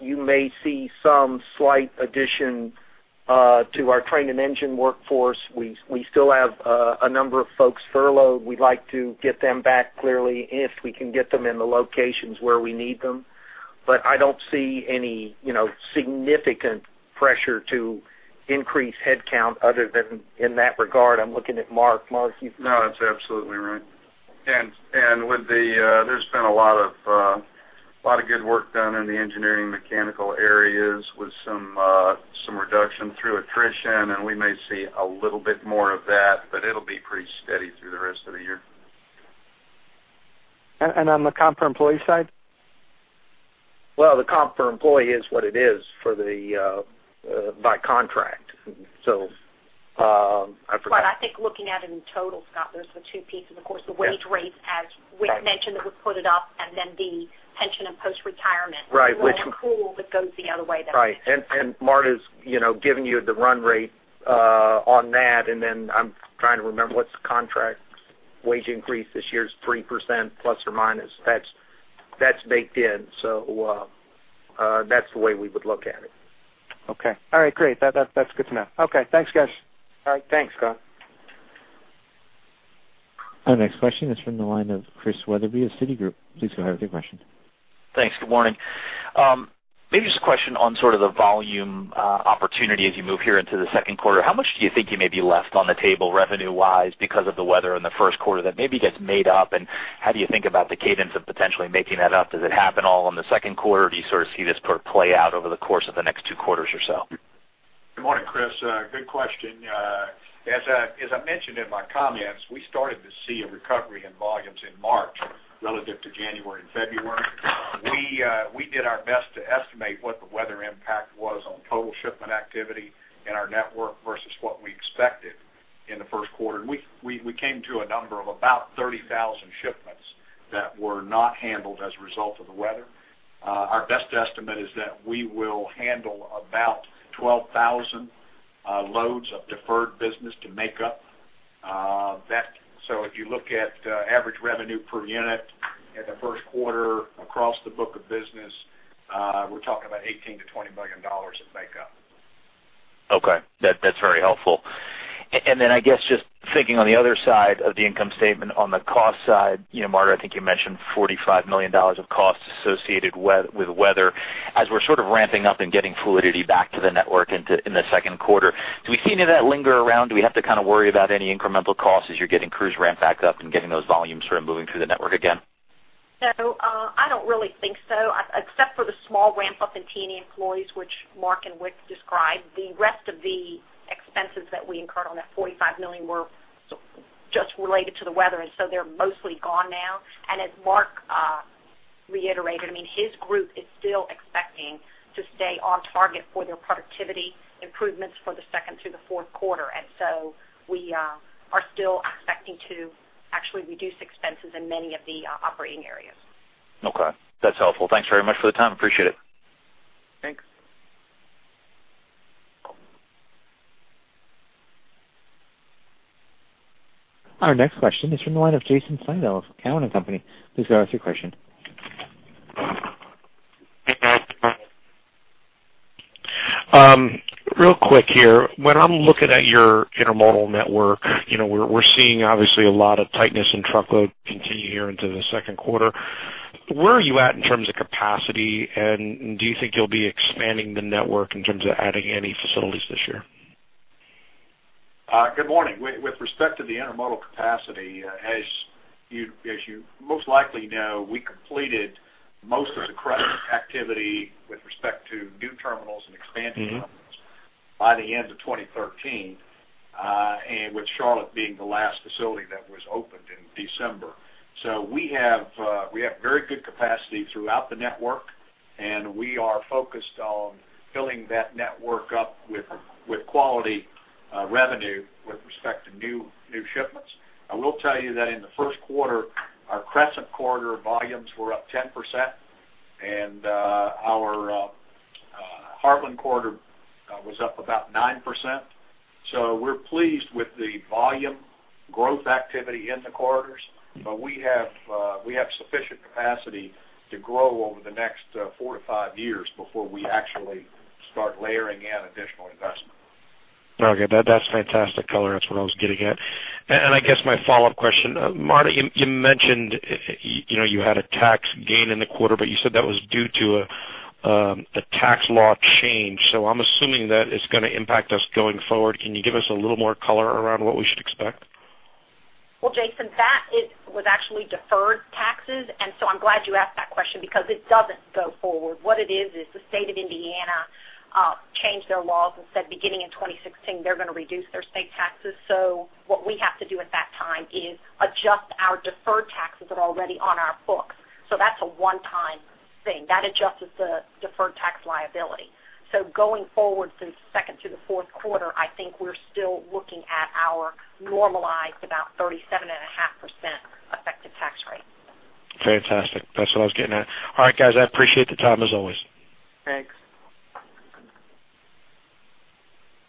you may see some slight addition to our train and engine workforce. We still have a number of folks furloughed. We'd like to get them back clearly, if we can get them in the locations where we need them. But I don't see any, you know, significant pressure to increase headcount other than in that regard. I'm looking at Mark. Mark, you- No, that's absolutely right. And with the, there's been a lot of good work done in the engineering mechanical areas with some reduction through attrition, and we may see a little bit more of that, but it'll be pretty steady through the rest of the year. And on the comp per employee side? Well, the comp per employee is what it is for the by contract. So, I forget- But I think looking at it in total, Scott, those were two pieces. Of course, the wage rates, as Wick mentioned, that were put it up, and then the pension and post-retirement- Right, which- pool that goes the other way. Right. And Marta's, you know, giving you the run rate on that, and then I'm trying to remember what's the contract's wage increase this year is 3% ±. That's baked in. So that's the way we would look at it. Okay. All right, great. That, that, that's good to know. Okay. Thanks, guys. All right, thanks, Scott. Our next question is from the line of Chris Wetherbee of Citigroup. Please go ahead with your question. Thanks. Good morning. Maybe just a question on sort of the volume opportunity as you move here into the second quarter. How much do you think you may be left on the table revenue-wise, because of the weather in the first quarter that maybe gets made up, and how do you think about the cadence of potentially making that up? Does it happen all in the second quarter, or do you sort of see this sort of play out over the course of the next two quarters or so? Good morning, Chris. Good question. As I, as I mentioned in my comments, we started to see a recovery in volumes in March relative to January and February. We, we did our best to estimate what the weather impact was on total shipment activity in our network versus what we expected in the first quarter. And we, we, we came to a number of about 30,000 shipments that were not handled as a result of the weather. Our best estimate is that we will handle about 12,000 loads of deferred business to make up that. So if you look at average revenue per unit in the first quarter across the book of business, we're talking about $18 million-$20 million of make up. Okay. That's very helpful. And then I guess just thinking on the other side of the income statement, on the cost side, you know, Marta, I think you mentioned $45 million of costs associated with weather. As we're sort of ramping up and getting fluidity back to the network in the second quarter, do we see any of that linger around? Do we have to kind of worry about any incremental costs as you're getting crews ramped back up and getting those volumes sort of moving through the network again? No, I don't really think so. Except for the small ramp up in temporary employees, which Mark and Wick described, the rest of the expenses that we incurred on that $45 million were just related to the weather, and so they're mostly gone now. And as Mark reiterated, I mean, his group is still expecting to stay on target for their productivity improvements for the second through the fourth quarter. And so we are still expecting to actually reduce expenses in many of the operating areas. Okay. That's helpful. Thanks very much for the time. Appreciate it. Thanks. Our next question is from the line of Jason Seidl of Cowen and Company. Please go ahead with your question. Real quick here. When I'm looking at your intermodal network, you know, we're seeing obviously a lot of tightness in truckload continue here into the second quarter. Where are you at in terms of capacity, and do you think you'll be expanding the network in terms of adding any facilities this year? Good morning. With respect to the intermodal capacity, as you most likely know, we completed most of the Crescent activity with respect to new terminals and expanding terminals. Mm-hmm. By the end of 2013, and with Charlotte being the last facility that was opened in December. So we have, we have very good capacity throughout the network, and we are focused on filling that network up with, with quality, revenue with respect to new, new shipments. I will tell you that in the first quarter, our Crescent Corridor volumes were up 10%, and, our, Heartland Corridor, was up about 9%. So we're pleased with the volume growth activity in the corridors, but we have, we have sufficient capacity to grow over the next, 4-5 years before we actually start layering in additional investment. Okay. That's fantastic color. That's what I was getting at. And I guess my follow-up question, Marta, you mentioned, you know, you had a tax gain in the quarter, but you said that was due to a tax law change, so I'm assuming that it's gonna impact us going forward. Can you give us a little more color around what we should expect? Well, Jason, that was actually deferred taxes, and so I'm glad you asked that question because it doesn't go forward. What it is, is the state of Indiana changed their laws and said, beginning in 2016, they're gonna reduce their state taxes. So what we have to do at that time is adjust our deferred taxes that are already on our books. So that's a one-time thing. That adjusts the deferred tax liability. So going forward through the second to the fourth quarter, I think we're still looking at our normalized, about 37.5% effective tax rate. Fantastic. That's what I was getting at. All right, guys, I appreciate the time as always. Thanks. ...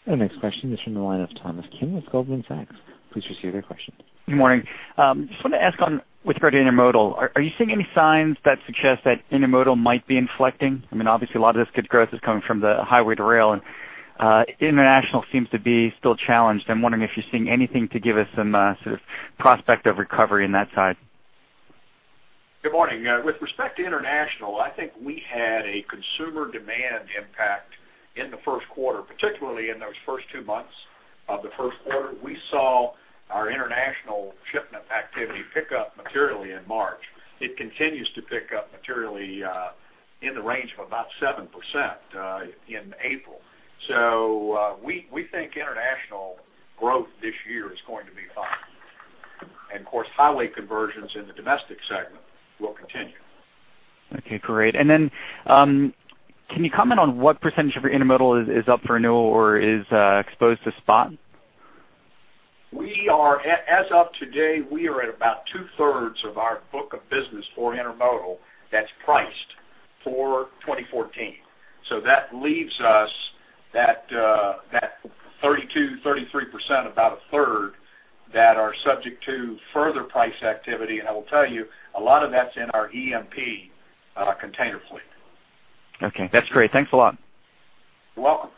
Our next question is from the line of Thomas Kønig with Goldman Sachs. Please proceed with your question. Good morning. Just wanted to ask on with regard to Intermodal, are you seeing any signs that suggest that Intermodal might be inflecting? I mean, obviously, a lot of this good growth is coming from the highway to rail, and international seems to be still challenged. I'm wondering if you're seeing anything to give us some sort of prospect of recovery in that side. Good morning. With respect to international, I think we had a consumer demand impact in the first quarter, particularly in those first two months of the first quarter. We saw our international shipment activity pick up materially in March. It continues to pick up materially in the range of about 7% in April. So, we think international growth this year is going to be fine. And of course, highway conversions in the domestic segment will continue. Okay, great. Can you comment on what percentage of your Intermodal is up for renewal or is exposed to spot? We are, as of today, we are at about two-thirds of our book of business for Intermodal that's priced for 2014. So that leaves us that 32%, 33%, about a third, that are subject to further price activity. And I will tell you, a lot of that's in our EMP container fleet. Okay, that's great. Thanks a lot. You're welcome.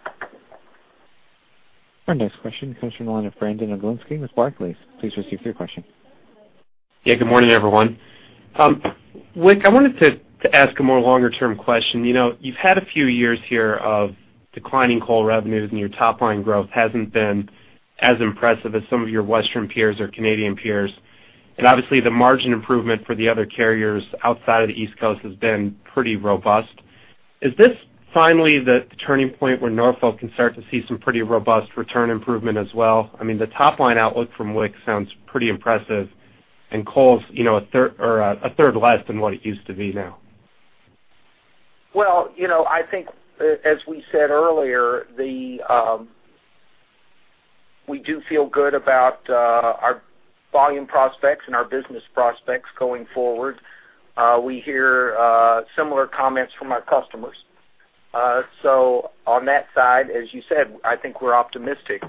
Our next question comes from the line of Brandon Oglenski with Barclays. Please proceed with your question. Yeah, good morning, everyone. Wick, I wanted to ask a more longer-term question. You know, you've had a few years here of declining coal revenues, and your top line growth hasn't been as impressive as some of your Western peers or Canadian peers. And obviously, the margin improvement for the other carriers outside of the East Coast has been pretty robust. Is this finally the turning point where Norfolk can start to see some pretty robust return improvement as well? I mean, the top line outlook from Wick sounds pretty impressive, and coal's, you know, a third- or a third less than what it used to be now. Well, you know, I think, as we said earlier, we do feel good about our volume prospects and our business prospects going forward. We hear similar comments from our customers. So on that side, as you said, I think we're optimistic.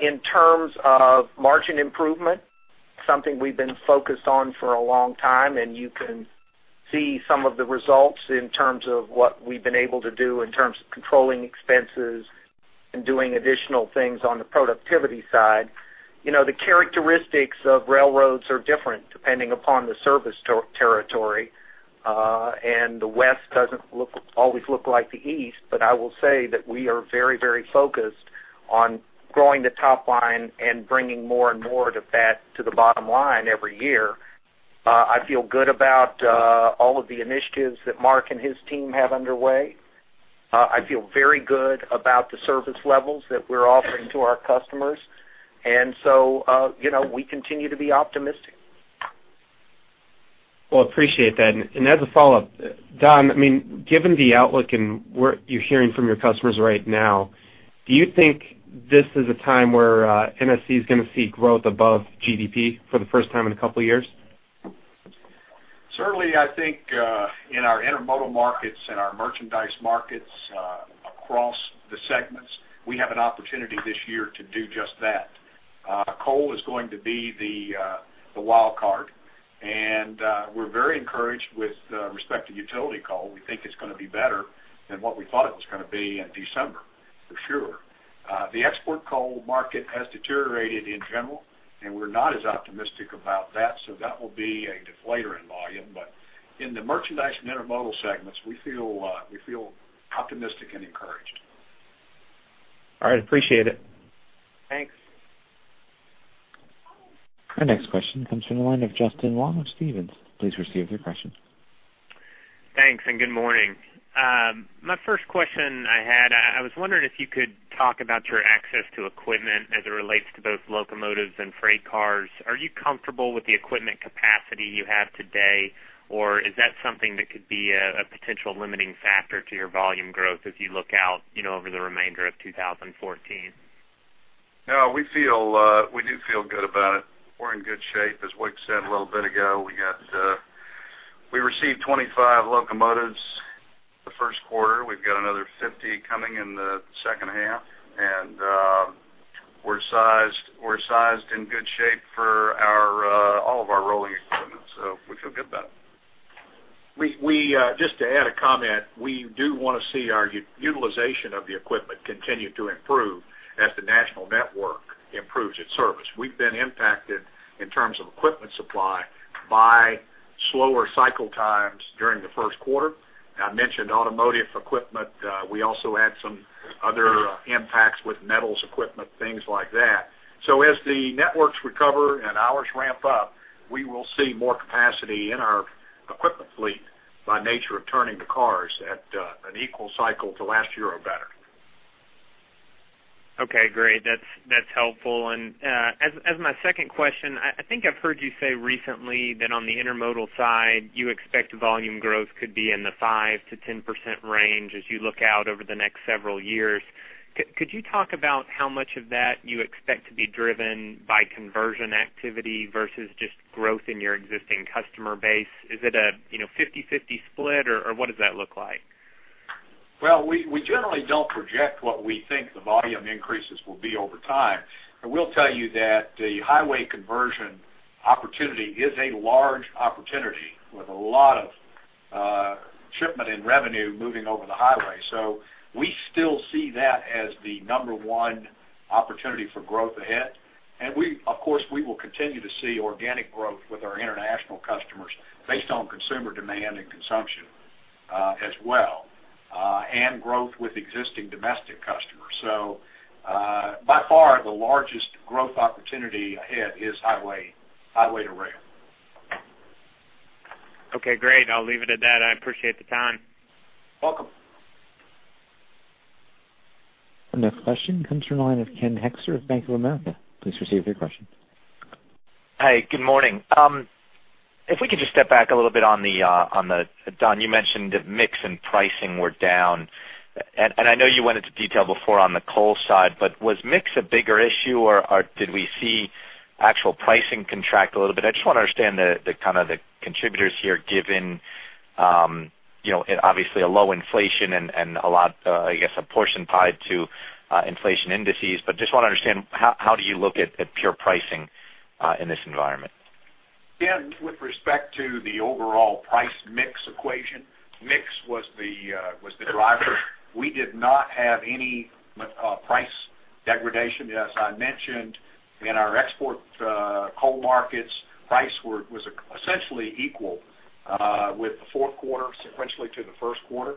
In terms of margin improvement, something we've been focused on for a long time, and you can see some of the results in terms of what we've been able to do in terms of controlling expenses and doing additional things on the productivity side. You know, the characteristics of railroads are different depending upon the service territory, and the West doesn't always look like the East. But I will say that we are very, very focused on growing the top line and bringing more and more of that to the bottom line every year. I feel good about all of the initiatives that Mark and his team have underway. I feel very good about the service levels that we're offering to our customers. And so, you know, we continue to be optimistic. Well, appreciate that. As a follow-up, Don, I mean, given the outlook and what you're hearing from your customers right now, do you think this is a time where NSC is gonna see growth above GDP for the first time in a couple of years? Certainly, I think, in our Intermodal markets and our Merchandise markets, across the segments, we have an opportunity this year to do just that. Coal is going to be the wild card, and we're very encouraged with respect to utility coal. We think it's gonna be better than what we thought it was gonna be in December, for sure. The export coal market has deteriorated in general, and we're not as optimistic about that, so that will be a deflator in volume. But in the Merchandise and Intermodal segments, we feel optimistic and encouraged. All right. Appreciate it. Thanks. Our next question comes from the line of Justin Long of Stephens. Please proceed with your question. Thanks, and good morning. My first question I had, I was wondering if you could talk about your access to equipment as it relates to both locomotives and freight cars. Are you comfortable with the equipment capacity you have today, or is that something that could be a, a potential limiting factor to your volume growth as you look out, you know, over the remainder of 2014? No, we feel, we do feel good about it. We're in good shape. As Wick said a little bit ago, we got, we received 25 locomotives the first quarter. We've got another 50 coming in the second half, and, we're sized, we're sized in good shape for our, all of our rolling equipment, so we feel good about it. Just to add a comment, we do want to see our utilization of the equipment continue to improve as the national network improves its service. We've been impacted in terms of equipment supply by slower cycle times during the first quarter. I mentioned automotive equipment, we also had some other impacts with metals equipment, things like that. So as the networks recover and hours ramp up, we will see more capacity in our equipment fleet by nature of turning the cars at an equal cycle to last year or better. Okay, great. That's, that's helpful. And, as my second question, I think I've heard you say recently that on the Intermodal side, you expect volume growth could be in the 5%-10% range as you look out over the next several years. Could you talk about how much of that you expect to be driven by conversion activity versus just growth in your existing customer base? Is it a 50/50 split, you know, or what does that look like? ...Well, we generally don't project what we think the volume increases will be over time. I will tell you that the highway conversion opportunity is a large opportunity with a lot of shipments and revenue moving over the highway. So we still see that as the number one opportunity for growth ahead. And we, of course, will continue to see organic growth with our international customers based on consumer demand and consumption as well and growth with existing domestic customers. So by far, the largest growth opportunity ahead is highway, highway to rail. Okay, great. I'll leave it at that. I appreciate the time. Welcome. The next question comes from the line of Ken Hoexter of Bank of America. Please proceed with your question. Hi, good morning. If we could just step back a little bit on the, on the—Don, you mentioned that mix and pricing were down, and I know you went into detail before on the coal side, but was mix a bigger issue, or did we see actual pricing contract a little bit? I just want to understand the kind of contributors here, given, you know, obviously, a low inflation and a lot, I guess, a portion tied to inflation indices. But just want to understand, how do you look at pure pricing in this environment? Ken, with respect to the overall price mix equation, mix was the driver. We did not have any price degradation. As I mentioned, in our export coal markets, price was essentially equal with the fourth quarter sequentially to the first quarter.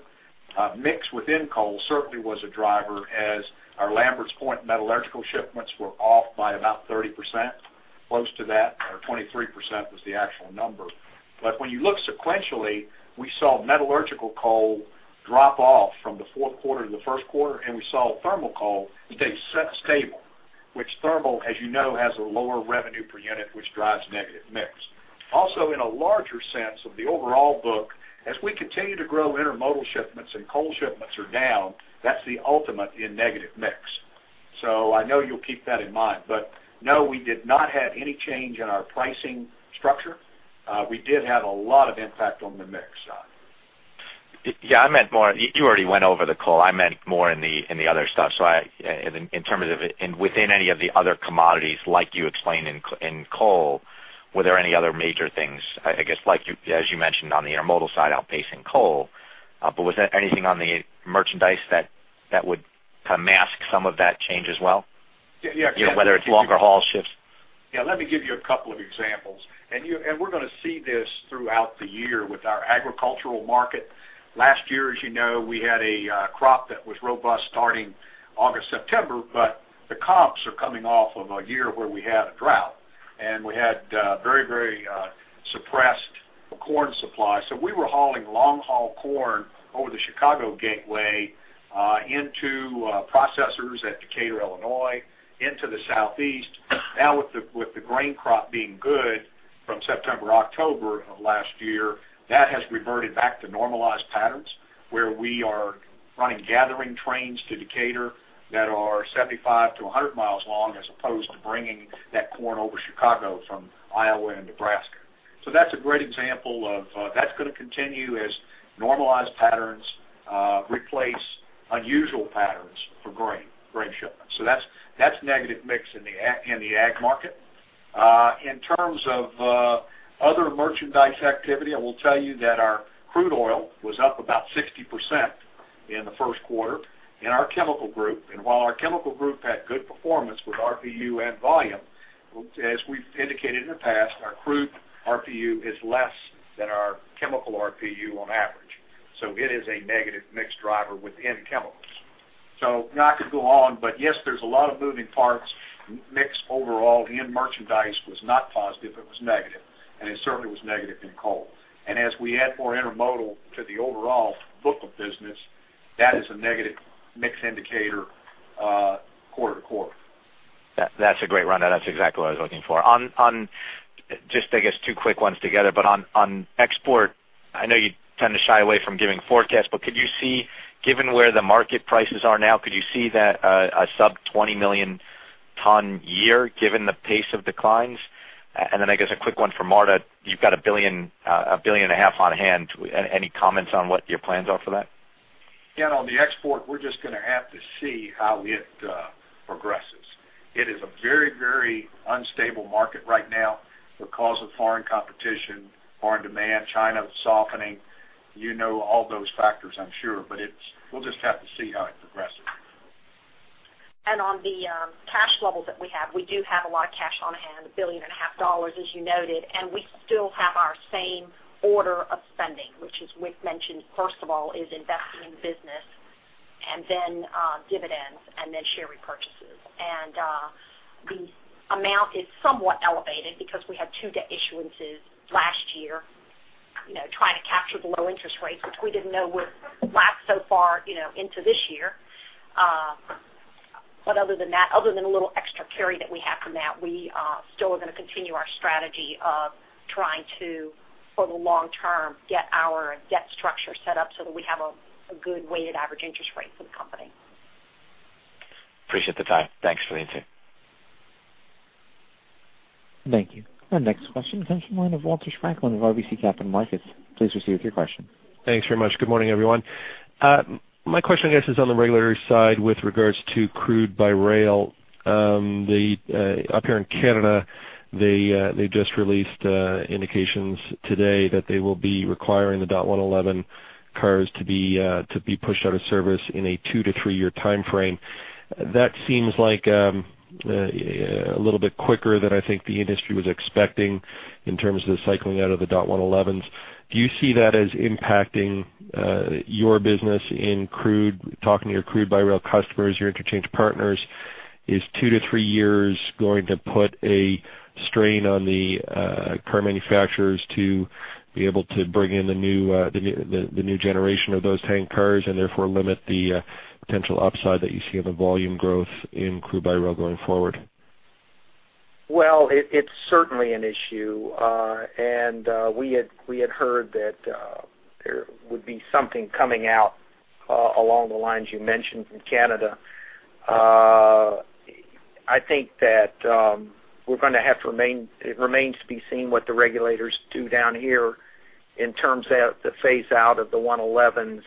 Mix within coal certainly was a driver, as our Lamberts Point metallurgical shipments were off by about 30%, close to that, or 23% was the actual number. But when you look sequentially, we saw metallurgical coal drop off from the fourth quarter to the first quarter, and we saw thermal coal stay stable, which thermal, as you know, has a lower revenue per unit, which drives negative mix. Also, in a larger sense of the overall book, as we continue to grow intermodal shipments and coal shipments are down, that's the ultimate in negative mix. So I know you'll keep that in mind, but no, we did not have any change in our pricing structure. We did have a lot of impact on the mix side. Yeah, I meant more... You already went over the coal. I meant more in the other stuff. So in terms of it, and within any of the other commodities, like you explained in coal, were there any other major things? I guess, like you, as you mentioned on the intermodal side, outpacing coal. But was there anything on the merchandise that would kind of mask some of that change as well? Yeah, Ken- Whether it's longer haul ships. Yeah, let me give you a couple of examples. And we're going to see this throughout the year with our agricultural market. Last year, as you know, we had a crop that was robust starting August, September, but the comps are coming off of a year where we had a drought, and we had very, very suppressed corn supply. So we were hauling long-haul corn over the Chicago gateway into processors at Decatur, Illinois, into the Southeast. Now, with the grain crop being good from September, October of last year, that has reverted back to normalized patterns, where we are running gathering trains to Decatur that are 75-100 miles long, as opposed to bringing that corn over Chicago from Iowa and Nebraska. So that's a great example of, that's going to continue as normalized patterns, replace unusual patterns for grain, grain shipments. So that's negative mix in the ag market. In terms of, other merchandise activity, I will tell you that our crude oil was up about 60% in the first quarter in our chemical group. And while our chemical group had good performance with RPU and volume, as we've indicated in the past, our crude RPU is less than our chemical RPU on average. So it is a negative mix driver within chemicals. So now I could go on, but yes, there's a lot of moving parts. Mix overall in merchandise was not positive, it was negative, and it certainly was negative in coal. As we add more intermodal to the overall book of business, that is a negative mix indicator quarter-over-quarter. That's a great rundown. That's exactly what I was looking for. On just, I guess, two quick ones together, but on export, I know you tend to shy away from giving forecasts, but could you see, given where the market prices are now, could you see that a sub-20 million ton year, given the pace of declines? And then I guess a quick one for Marta. You've got $1.5 billion on hand. Any comments on what your plans are for that? Ken, on the export, we're just gonna have to see how it progresses. It is a very, very unstable market right now because of foreign competition, foreign demand, China softening. You know all those factors, I'm sure, but it's, we'll just have to see how it progresses. On the cash level that we have, we do have a lot of cash on hand, $1.5 billion, as you noted, and we still have our same order of spending, which is, Wick mentioned, first of all, is investing in business and then, dividends, and then share repurchases. The amount is somewhat elevated because we had 2 debt issuances last year, you know, trying to capture the low interest rates, which we didn't know would last so far, you know, into this year. But other than that, other than a little extra carry that we have from that, we still are going to continue our strategy of trying to, for the long term, get our debt structure set up so that we have a, a good weighted average interest rate for the company. Appreciate the time. Thanks for the interview. Thank you. Our next question comes from the line of Walter Spracklin of RBC Capital Markets. Please proceed with your question. Thanks very much. Good morning, everyone. My question, I guess, is on the regulatory side with regards to crude by rail. Up here in Canada, they just released indications today that they will be requiring the DOT-111 cars to be pushed out of service in a 2-3-year timeframe. That seems like a little bit quicker than I think the industry was expecting in terms of the cycling out of the DOT-111s. Do you see that as impacting your business in crude, talking to your crude by rail customers, your interchange partners, is 2-3 years going to put a strain on the car manufacturers to be able to bring in the new generation of those tank cars and therefore limit the potential upside that you see on the volume growth in crude by rail going forward? Well, it's certainly an issue. And we had heard that there would be something coming out along the lines you mentioned from Canada. I think that we're gonna have to remain. It remains to be seen what the regulators do down here in terms of the phase out of the 111s.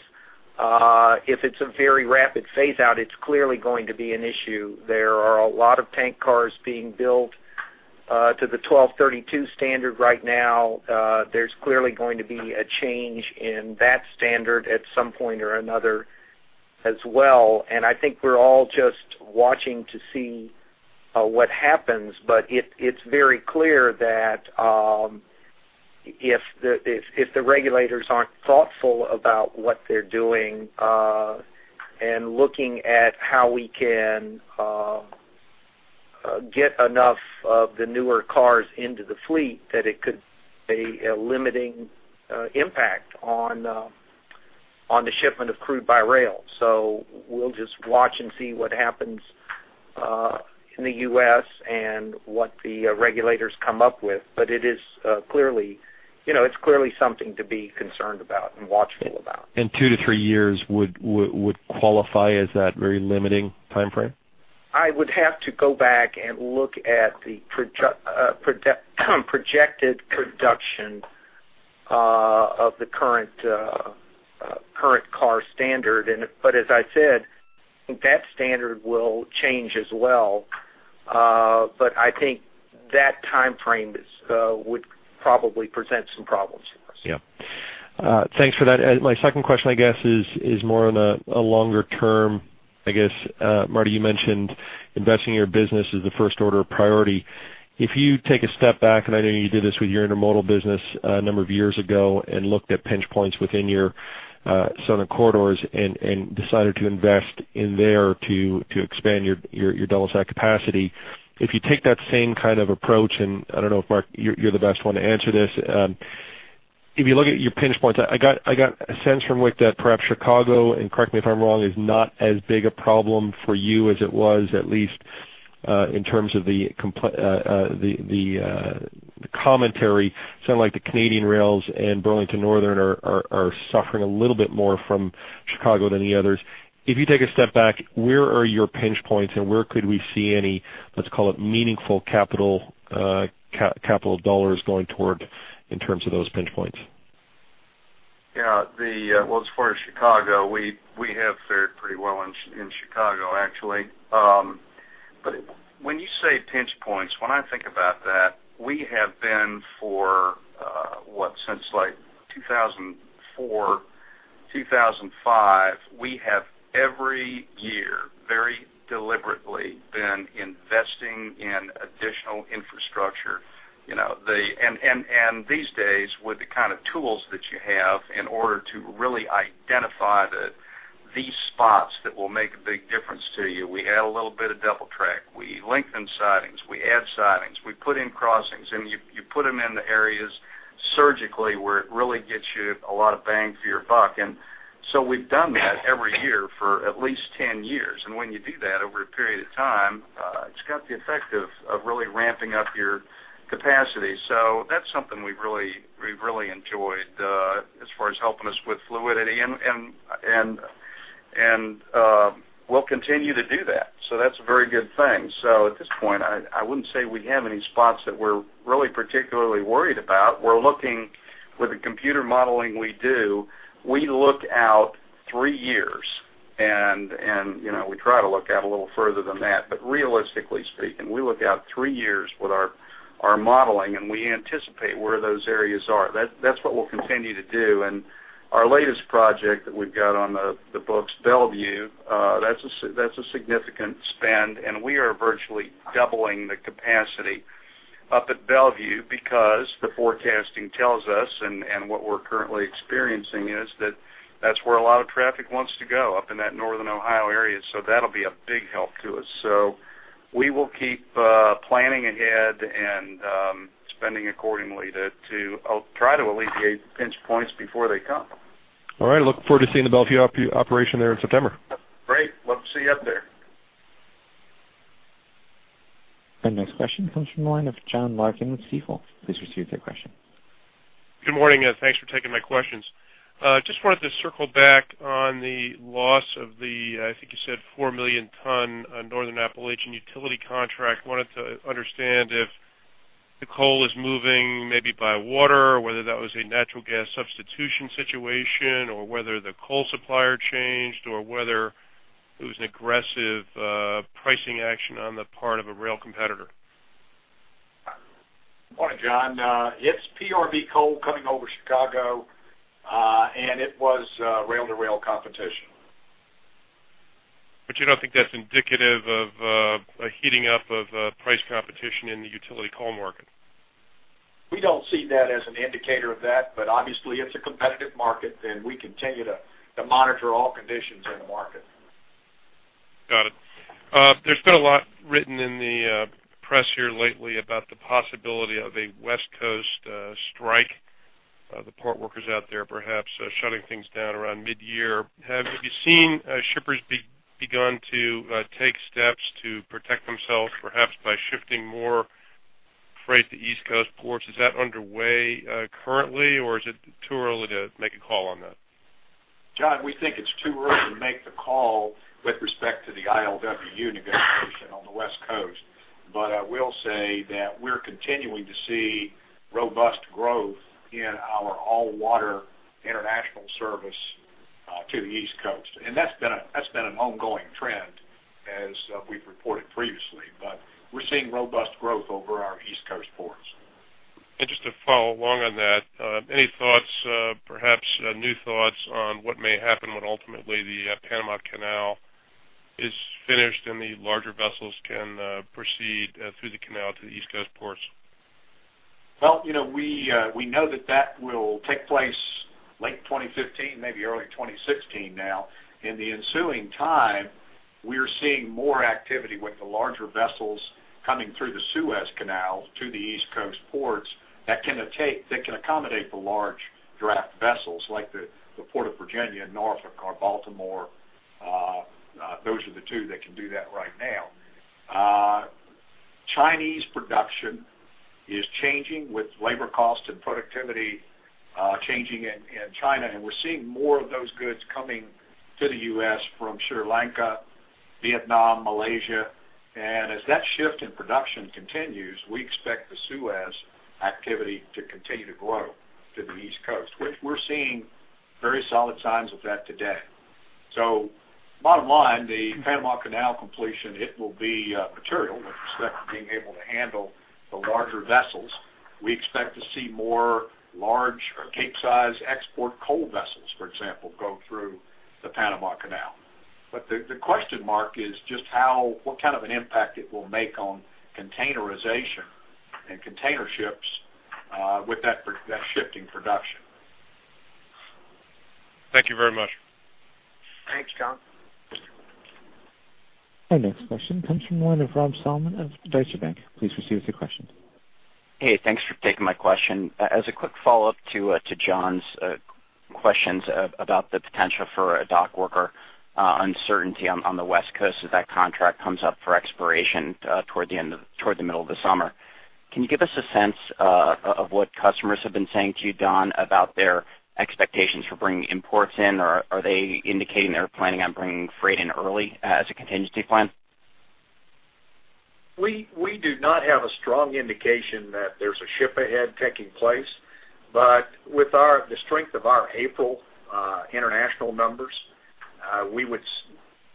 If it's a very rapid phase out, it's clearly going to be an issue. There are a lot of tank cars being built to the 1232 standard right now. There's clearly going to be a change in that standard at some point or another as well. And I think we're all just watching to see what happens. But it's very clear that if the regulators aren't thoughtful about what they're doing and looking at how we can get enough of the newer cars into the fleet, that it could be a limiting impact on the shipment of crude by rail. So we'll just watch and see what happens in the U.S. and what the regulators come up with. But it is clearly, you know, it's clearly something to be concerned about and watchful about. 2-3 years would qualify as that very limiting timeframe? I would have to go back and look at the projected production of the current car standard. But as I said, that standard will change as well. But I think that timeframe would probably present some problems for us. Yeah. Thanks for that. And my second question, I guess, is more on a longer term, I guess. Marty, you mentioned investing in your business is the first order of priority. If you take a step back, and I know you did this with your intermodal business a number of years ago, and looked at pinch points within your southern corridors and decided to invest in there to expand your double stack capacity. If you take that same kind of approach, and I don't know if, Mark, you're the best one to answer this. If you look at your pinch points, I got a sense from Wick that perhaps Chicago, and correct me if I'm wrong, is not as big a problem for you as it was, at least in terms of the commentary. Sounded like the Canadian Rails and Burlington Northern are suffering a little bit more from Chicago than the others. If you take a step back, where are your pinch points and where could we see any, let's call it, meaningful capital dollars going toward in terms of those pinch points? Yeah, well, as far as Chicago, we have fared pretty well in Chicago, actually. But when you say pinch points, when I think about that, we have been since like 2004, 2005, every year, very deliberately, been investing in additional infrastructure. You know, these days, with the kind of tools that you have in order to really identify these spots that will make a big difference to you. We add a little bit of double track, we lengthen sidings, we add sidings, we put in crossings, and you put them in the areas surgically, where it really gets you a lot of bang for your buck. And so we've done that every year for at least 10 years. And when you do that over a period of time, it's got the effect of really ramping up your capacity. So that's something we've really enjoyed as far as helping us with fluidity. We'll continue to do that. So that's a very good thing. So at this point, I wouldn't say we have any spots that we're really particularly worried about. We're looking with the computer modeling we do; we look out three years and, you know, we try to look out a little further than that. But realistically speaking, we look out three years with our modeling, and we anticipate where those areas are. That's what we'll continue to do. And our latest project that we've got on the books, Bellevue, that's a significant spend, and we are virtually doubling the capacity up at Bellevue because the forecasting tells us, and what we're currently experiencing, is that that's where a lot of traffic wants to go, up in that northern Ohio area. So that'll be a big help to us. So we will keep planning ahead and spending accordingly to try to alleviate pinch points before they come. All right. Look forward to seeing the Bellevue operation there in September. Great! Love to see you up there. Our next question comes from the line of John Larkin with Stifel. Please proceed with your question. Good morning, and thanks for taking my questions. Just wanted to circle back on the loss of the, I think you said, 4 million ton, Northern Appalachia utility contract. Wanted to understand if the coal is moving maybe by water, or whether that was a natural gas substitution situation, or whether the coal supplier changed, or whether it was an aggressive, pricing action on the part of a rail competitor? Morning, John. It's PRB coal coming over Chicago, and it was rail-to-rail competition. But you don't think that's indicative of a heating up of price competition in the utility coal market? We don't see that as an indicator of that, but obviously, it's a competitive market, and we continue to monitor all conditions in the market. Got it. There's been a lot written in the press here lately about the possibility of a West Coast strike, the port workers out there, perhaps shutting things down around mid-year. Have you seen shippers begun to take steps to protect themselves, perhaps by shifting more freight to East Coast ports? Is that underway currently, or is it too early to make a call on that? John, we think it's too early to make the call with respect to the ILWU negotiation on the West Coast. But I will say that we're continuing to see robust growth in our all-water international service to the East Coast. And that's been an ongoing trend as we've reported previously. But we're seeing robust growth over our East Coast ports. Just to follow along on that, any thoughts, perhaps, new thoughts on what may happen when ultimately the Panama Canal is finished and the larger vessels can proceed through the canal to the East Coast ports? Well, you know, we, we know that that will take place late 2015, maybe early 2016 now. In the ensuing time, we're seeing more activity with the larger vessels coming through the Suez Canal to the East Coast ports that can accommodate the large draft vessels like the Port of Virginia, Norfolk or Baltimore. Those are the two that can do that right now. Chinese production is changing with labor costs and productivity changing in China, and we're seeing more of those goods coming to the U.S. from Sri Lanka, Vietnam, Malaysia. And as that shift in production continues, we expect the Suez activity to continue to grow to the East Coast, which we're seeing very solid signs of that today. So bottom line, the Panama Canal completion, it will be, material with respect to being able to handle the larger vessels. We expect to see more large or Capesize export coal vessels, for example, go through the Panama Canal. But the question mark is just how—what kind of an impact it will make on containerization and container ships, with that shift in production. Thank you very much. Thanks, John. Our next question comes from the line of Rob Salmon of Deutsche Bank. Please proceed with your question. Hey, thanks for taking my question. As a quick follow-up to John's questions about the potential for a dock worker uncertainty on the West Coast, as that contract comes up for expiration toward the middle of the summer. Can you give us a sense of what customers have been saying to you, Don, about their expectations for bringing imports in, or are they indicating they're planning on bringing freight in early as a contingency plan? We do not have a strong indication that there's a ship ahead taking place. But with the strength of our April international numbers, we would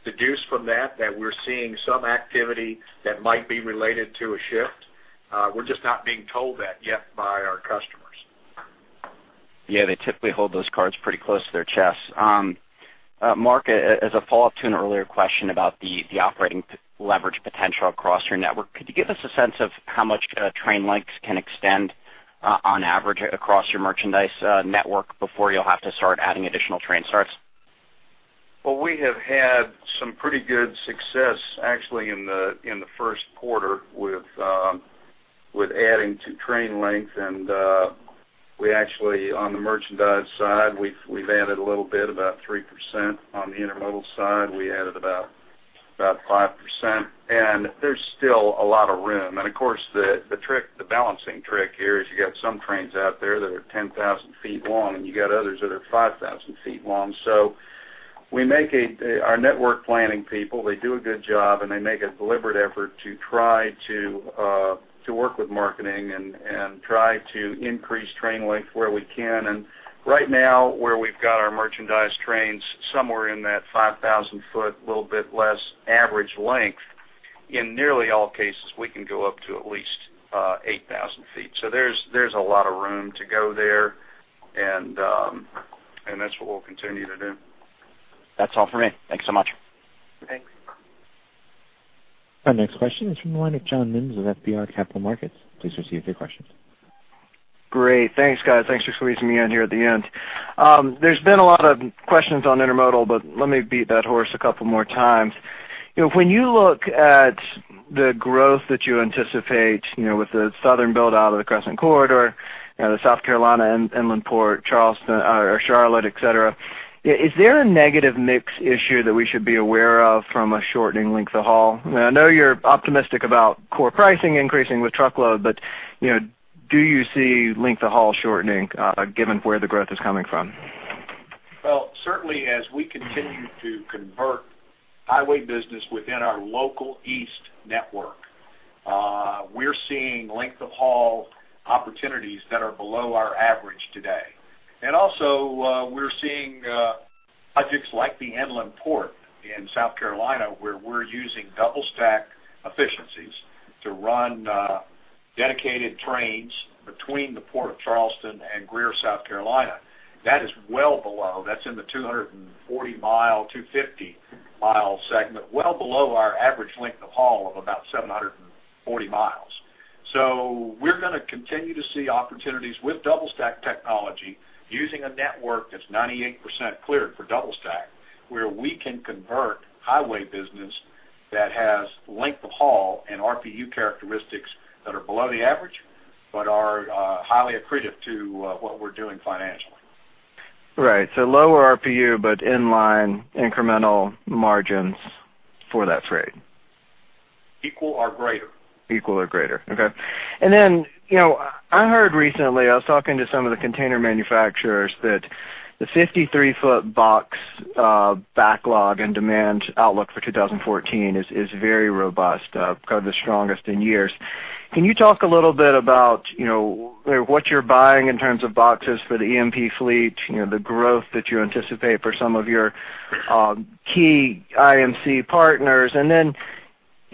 deduce from that that we're seeing some activity that might be related to a shift. We're just not being told that yet by our customers. Yeah, they typically hold those cards pretty close to their chests. Mark, as a follow-up to an earlier question about the operating leverage potential across your network. Could you give us a sense of how much train lengths can extend on average across your merchandise network before you'll have to start adding additional train starts? Well, we have had some pretty good success, actually, in the first quarter with adding to train length. And we actually, on the merchandise side, we've added a little bit, about 3%. On the intermodal side, we added about 5%, and there's still a lot of room. And of course, the trick, the balancing trick here is you got some trains out there that are 10,000 ft long, and you got others that are 5,000 feet long. So we make a... Our network planning people, they do a good job, and they make a deliberate effort to try to work with marketing and try to increase train length where we can. Right now, where we've got our merchandise trains, somewhere in that 5,000-foot, little bit less average length, in nearly all cases, we can go up to at least 8,000 feet. There's a lot of room to go there, and that's what we'll continue to do. That's all for me. Thank you so much. Thanks. Our next question is from the line of John Mims of FBR Capital Markets. Please proceed with your questions. Great. Thanks, guys. Thanks for squeezing me in here at the end. There's been a lot of questions on intermodal, but let me beat that horse a couple more times. You know, when you look at the growth that you anticipate, you know, with the southern build-out of the Crescent Corridor, you know, the South Carolina Inland Port, Charleston, or Charlotte, et cetera. Is there a negative mix issue that we should be aware of from a shortening length of haul? I know you're optimistic about core pricing increasing with truckload, but, you know, do you see length of haul shortening, given where the growth is coming from? Well, certainly, as we continue to convert highway business within our local East network, we're seeing length of haul opportunities that are below our average today. And also, we're seeing projects like the inland port in South Carolina, where we're using double stack efficiencies to run dedicated trains between the port of Charleston and Greer, South Carolina. That is well below, that's in the 240-mile, 250-mile segment, well below our average length of haul of about 740 miles. So we're gonna continue to see opportunities with double stack technology, using a network that's 98% cleared for double stack, where we can convert highway business that has length of haul and RPU characteristics that are below the average, but are highly accretive to what we're doing financially. Right. So lower RPU, but in line incremental margins for that freight? Equal or greater. Equal or greater. Okay. And then, you know, I heard recently, I was talking to some of the container manufacturers, that the 53-foot box, backlog and demand outlook for 2014 is, is very robust, probably the strongest in years. Can you talk a little bit about, you know, what you're buying in terms of boxes for the EMP fleet, you know, the growth that you anticipate for some of your, key IMC partners? And then,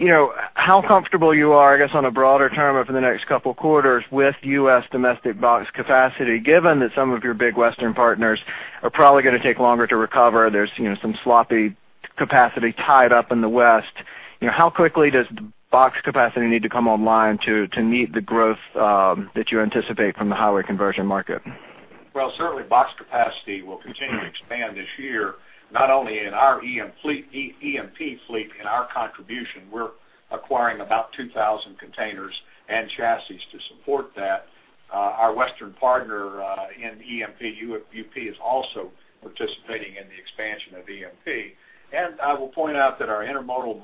you know, how comfortable you are, I guess, on a broader term, over the next couple of quarters with U.S. domestic box capacity, given that some of your big Western partners are probably going to take longer to recover. There's, you know, some sloppy capacity tied up in the West. You know, how quickly does box capacity need to come online to meet the growth that you anticipate from the highway conversion market? Well, certainly box capacity will continue to expand this year, not only in our EMP fleet. In our contribution, we're acquiring about 2,000 containers and chassis to support that. Our Western partner in EMP, UP, is also participating in the expansion of EMP. And I will point out that our intermodal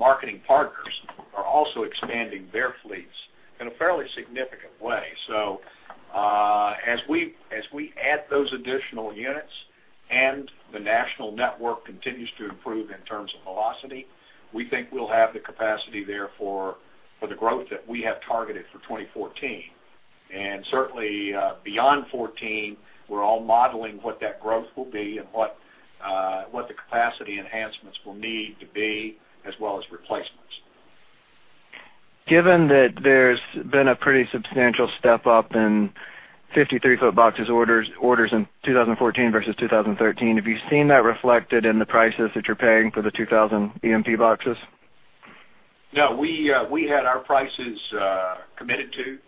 marketing partners are also expanding their fleets in a fairly significant way. So, as we add those additional units and the national network continues to improve in terms of velocity, we think we'll have the capacity there for the growth that we have targeted for 2014. And certainly, beyond 2014, we're all modeling what that growth will be and what the capacity enhancements will need to be, as well as replacements. Given that there's been a pretty substantial step up in 53-foot boxes orders, orders in 2014 versus 2013, have you seen that reflected in the prices that you're paying for the 2000 EMP boxes? No, we had our prices committed to,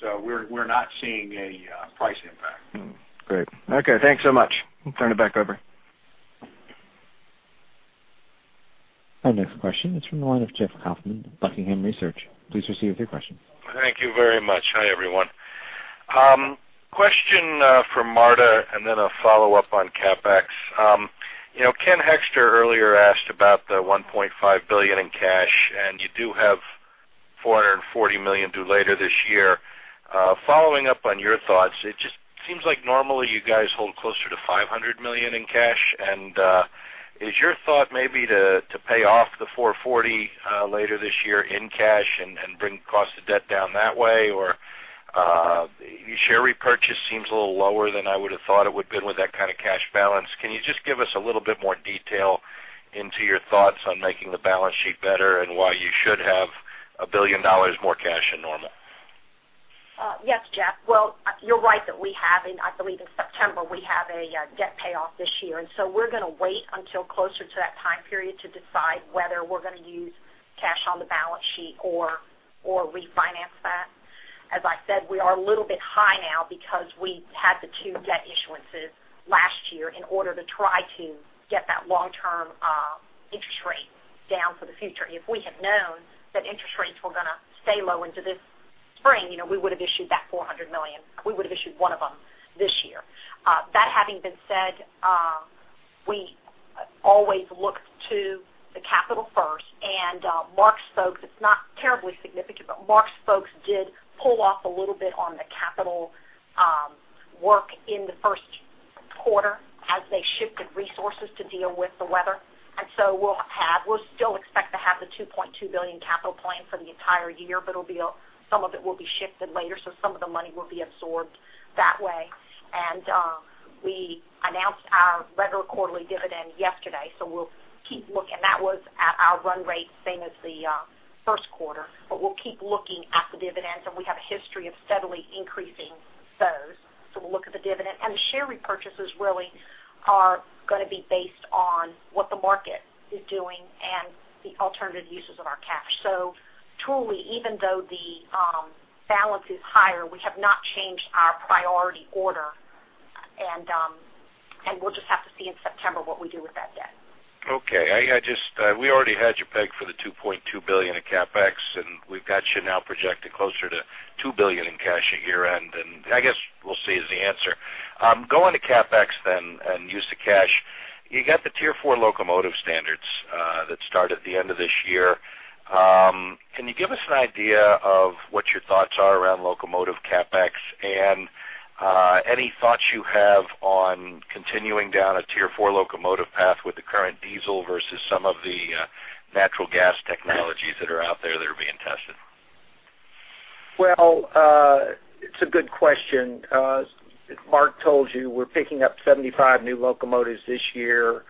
so we're not seeing a price impact. Hmm. Great. Okay, thanks so much. I'll turn it back over. Our next question is from the line of Jeff Kauffman, Buckingham Research. Please proceed with your question. Thank you very much. Hi, everyone. Question for Marta, and then a follow-up on CapEx. You know, Ken Hoexter earlier asked about the $1.5 billion in cash, and you do have $440 million due later this year. Following up on your thoughts, it just seems like normally you guys hold closer to $500 million in cash. And, is your thought maybe to pay off the $440 million later this year in cash and bring cost of debt down that way? Or, your share repurchase seems a little lower than I would have thought it would been with that kind of cash balance. Can you just give us a little bit more detail into your thoughts on making the balance sheet better and why you should have $1 billion more cash than normal? Yes, Jeff. Well, you're right that we have, and I believe in September, we have a debt payoff this year. And so we're going to wait until closer to that time period to decide whether we're going to use cash on the balance sheet or refinance that. As I said, we are a little bit high now because we had the two debt issuances last year in order to try to get that long-term interest rate down for the future. If we had known that interest rates were going to stay low into this spring, you know, we would have issued that $400 million. We would have issued one of them this year. That having been said, we always look to the capital first, and Mark's folks, it's not terribly significant, but Mark's folks did pull off a little bit on the capital work in the first quarter as they shifted resources to deal with the weather. So we'll still expect to have the $2.2 billion capital plan for the entire year, but it'll be a... Some of it will be shifted later, so some of the money will be absorbed that way. We announced our regular quarterly dividend yesterday, so we'll keep looking. That was at our run rate, same as the first quarter, but we'll keep looking at the dividends, and we have a history of steadily increasing those. So we'll look at the dividend. The share repurchases really are going to be based on what the market is doing and the alternative uses of our cash. So truly, even though the balance is higher, we have not changed our priority order, and we'll just have to see in September what we do with that debt. ... Okay, we already had you pegged for the $2.2 billion in CapEx, and we've got you now projected closer to $2 billion in cash at year-end. And I guess we'll see is the answer. Going to CapEx then, and use the cash, you got the Tier 4 locomotive standards that start at the end of this year. Can you give us an idea of what your thoughts are around locomotive CapEx, and any thoughts you have on continuing down a Tier 4 locomotive path with the current diesel versus some of the natural gas technologies that are out there that are being tested? Well, it's a good question. As Mark told you, we're picking up 75 new locomotives this year.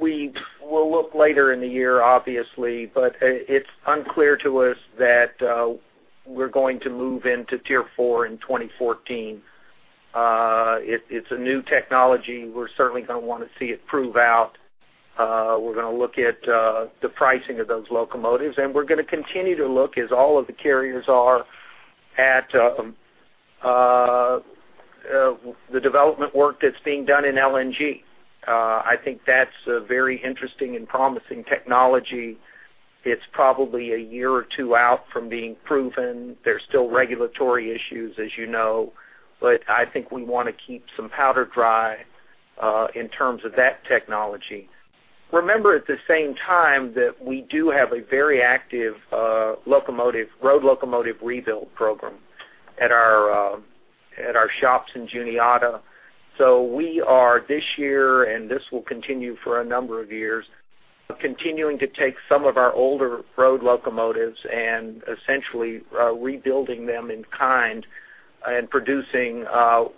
We will look later in the year, obviously, but it's unclear to us that we're going to move into Tier 4 in 2014. It, it's a new technology. We're certainly gonna wanna see it prove out. We're gonna look at the pricing of those locomotives, and we're gonna continue to look, as all of the carriers are, at the development work that's being done in LNG. I think that's a very interesting and promising technology. It's probably a year or two out from being proven. There's still regulatory issues, as you know, but I think we wanna keep some powder dry, in terms of that technology. Remember, at the same time, that we do have a very active road locomotive rebuild program at our shops in Juniata. So we are, this year, and this will continue for a number of years, continuing to take some of our older road locomotives and essentially rebuilding them in kind and producing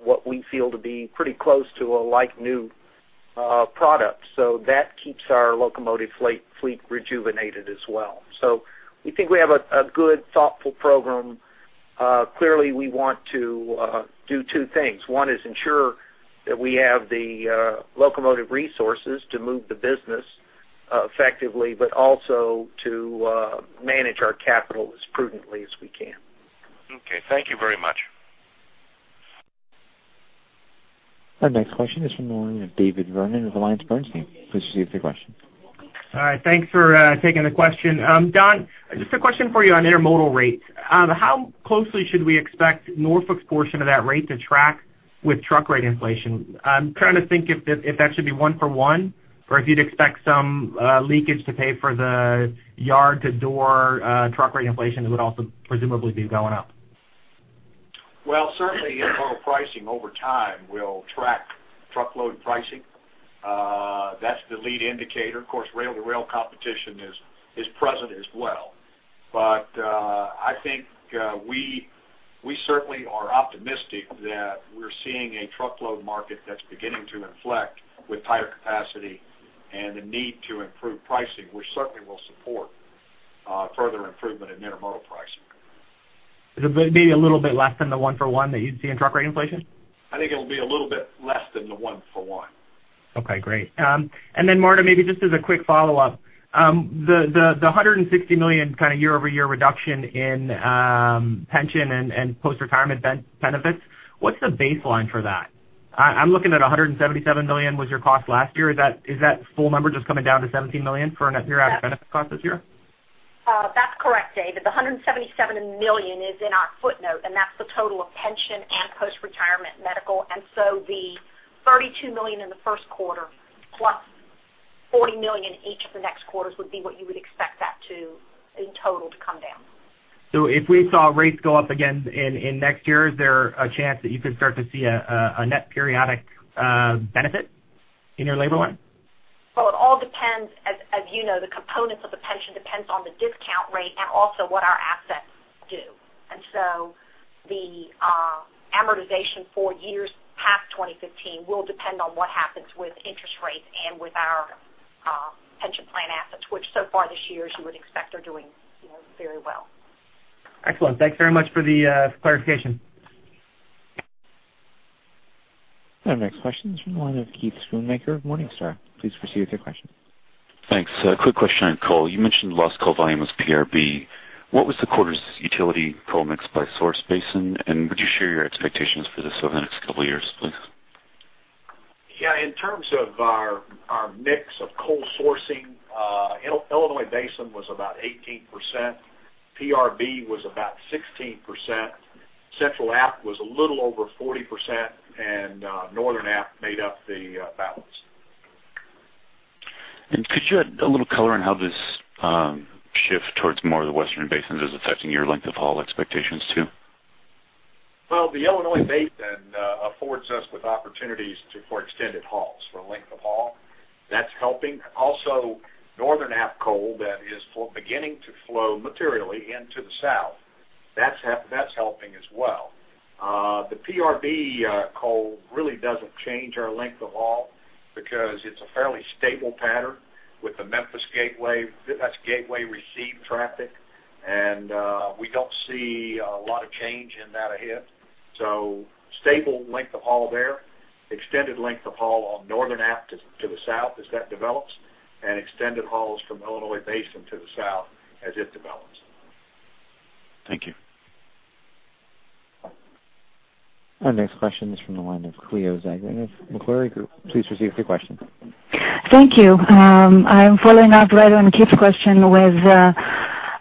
what we feel to be pretty close to a like-new product. So that keeps our locomotive fleet rejuvenated as well. So we think we have a good, thoughtful program. Clearly, we want to do two things. One is ensure that we have the locomotive resources to move the business effectively, but also to manage our capital as prudently as we can. Okay, thank you very much. Our next question is from the line of David Vernon with Bernstein. Please proceed with your question. Hi, thanks for taking the question. Don, just a question for you on intermodal rates. How closely should we expect Norfolk's portion of that rate to track with truck rate inflation? I'm trying to think if that should be one for one, or if you'd expect some leakage to pay for the yard-to-door truck rate inflation that would also presumably be going up. Well, certainly, intermodal pricing over time will track truckload pricing. That's the lead indicator. Of course, rail-to-rail competition is present as well. But I think we certainly are optimistic that we're seeing a truckload market that's beginning to inflect with tighter capacity and the need to improve pricing, which certainly will support further improvement in intermodal pricing. Maybe a little bit less than the 1-for-1 that you'd see in truck rate inflation? I think it'll be a little bit less than the 1-for-1. Okay, great. And then, Marta, maybe just as a quick follow-up. The $160 million year-over-year reduction in pension and post-retirement benefits, what's the baseline for that? I'm looking at $177 million was your cost last year. Is that full number just coming down to $17 million for net periodic benefit costs this year? That's correct, David. The $177 million is in our footnote, and that's the total of pension and post-retirement medical. And so the $32 million in the first quarter, plus $40 million in each of the next quarters, would be what you would expect that to, in total, to come down. If we saw rates go up again in next year, is there a chance that you could start to see a net periodic benefit in your labor line? Well, it all depends. As you know, the components of the pension depends on the discount rate and also what our assets do. And so the amortization for years past 2015 will depend on what happens with interest rates and with our pension plan assets, which so far this year, as you would expect, are doing, you know, very well. Excellent. Thanks very much for the clarification. Our next question is from the line of Keith Schoonmaker of Morningstar. Please proceed with your question. Thanks. A quick question on coal. You mentioned lost coal volume was PRB. What was the quarter's utility coal mix by source basin? And would you share your expectations for this over the next couple of years, please? Yeah, in terms of our, our mix of coal sourcing, Illinois Basin was about 18%, PRB was about 16%, Central App was a little over 40%, and Northern App made up the balance. Could you add a little color on how this shift towards more of the western basins is affecting your length of haul expectations, too? Well, the Illinois Basin affords us with opportunities to-- for extended hauls, for length of haul. That's helping. Also, Northern App coal that is beginning to flow materially into the South, that's helping as well. The PRB coal really doesn't change our length of haul because it's a fairly stable pattern with the Memphis gateway. That's gateway receive traffic, and we don't see a lot of change in that ahead. So stable length of haul there, extended length of haul on Northern App to the South as that develops, and extended hauls from Illinois Basin to the South as it develops. Thank you. Our next question is from the line of Cleo Zagrean of Macquarie Group. Please proceed with your question. Thank you. I'm following up right on Keith's question with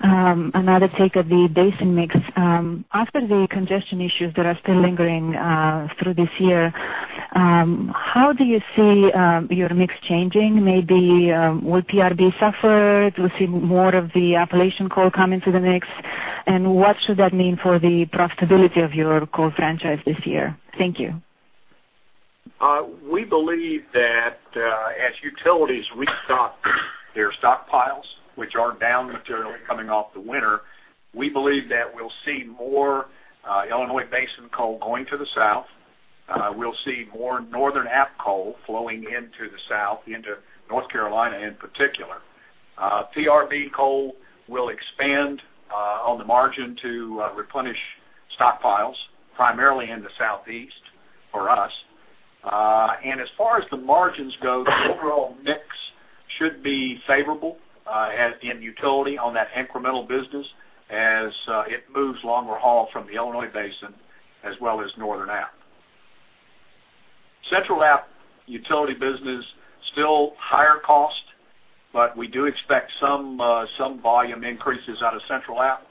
another take of the basin mix. After the congestion issues that are still lingering through this year, how do you see your mix changing? Maybe, will PRB suffer? Do you see more of the Appalachian coal coming to the mix? And what should that mean for the profitability of your coal franchise this year? Thank you. We believe that, as utilities restock their stockpiles, which are down materially coming off the winter, we believe that we'll see more Illinois Basin coal going to the south. We'll see more Northern App coal flowing into the south, into North Carolina in particular. PRB coal will expand on the margin to replenish stockpiles, primarily in the southeast for us. And as far as the margins go, the overall mix should be favorable at in utility on that incremental business as it moves longer haul from the Illinois Basin, as well as Northern App. Central App utility business, still higher cost, but we do expect some some volume increases out of Central App.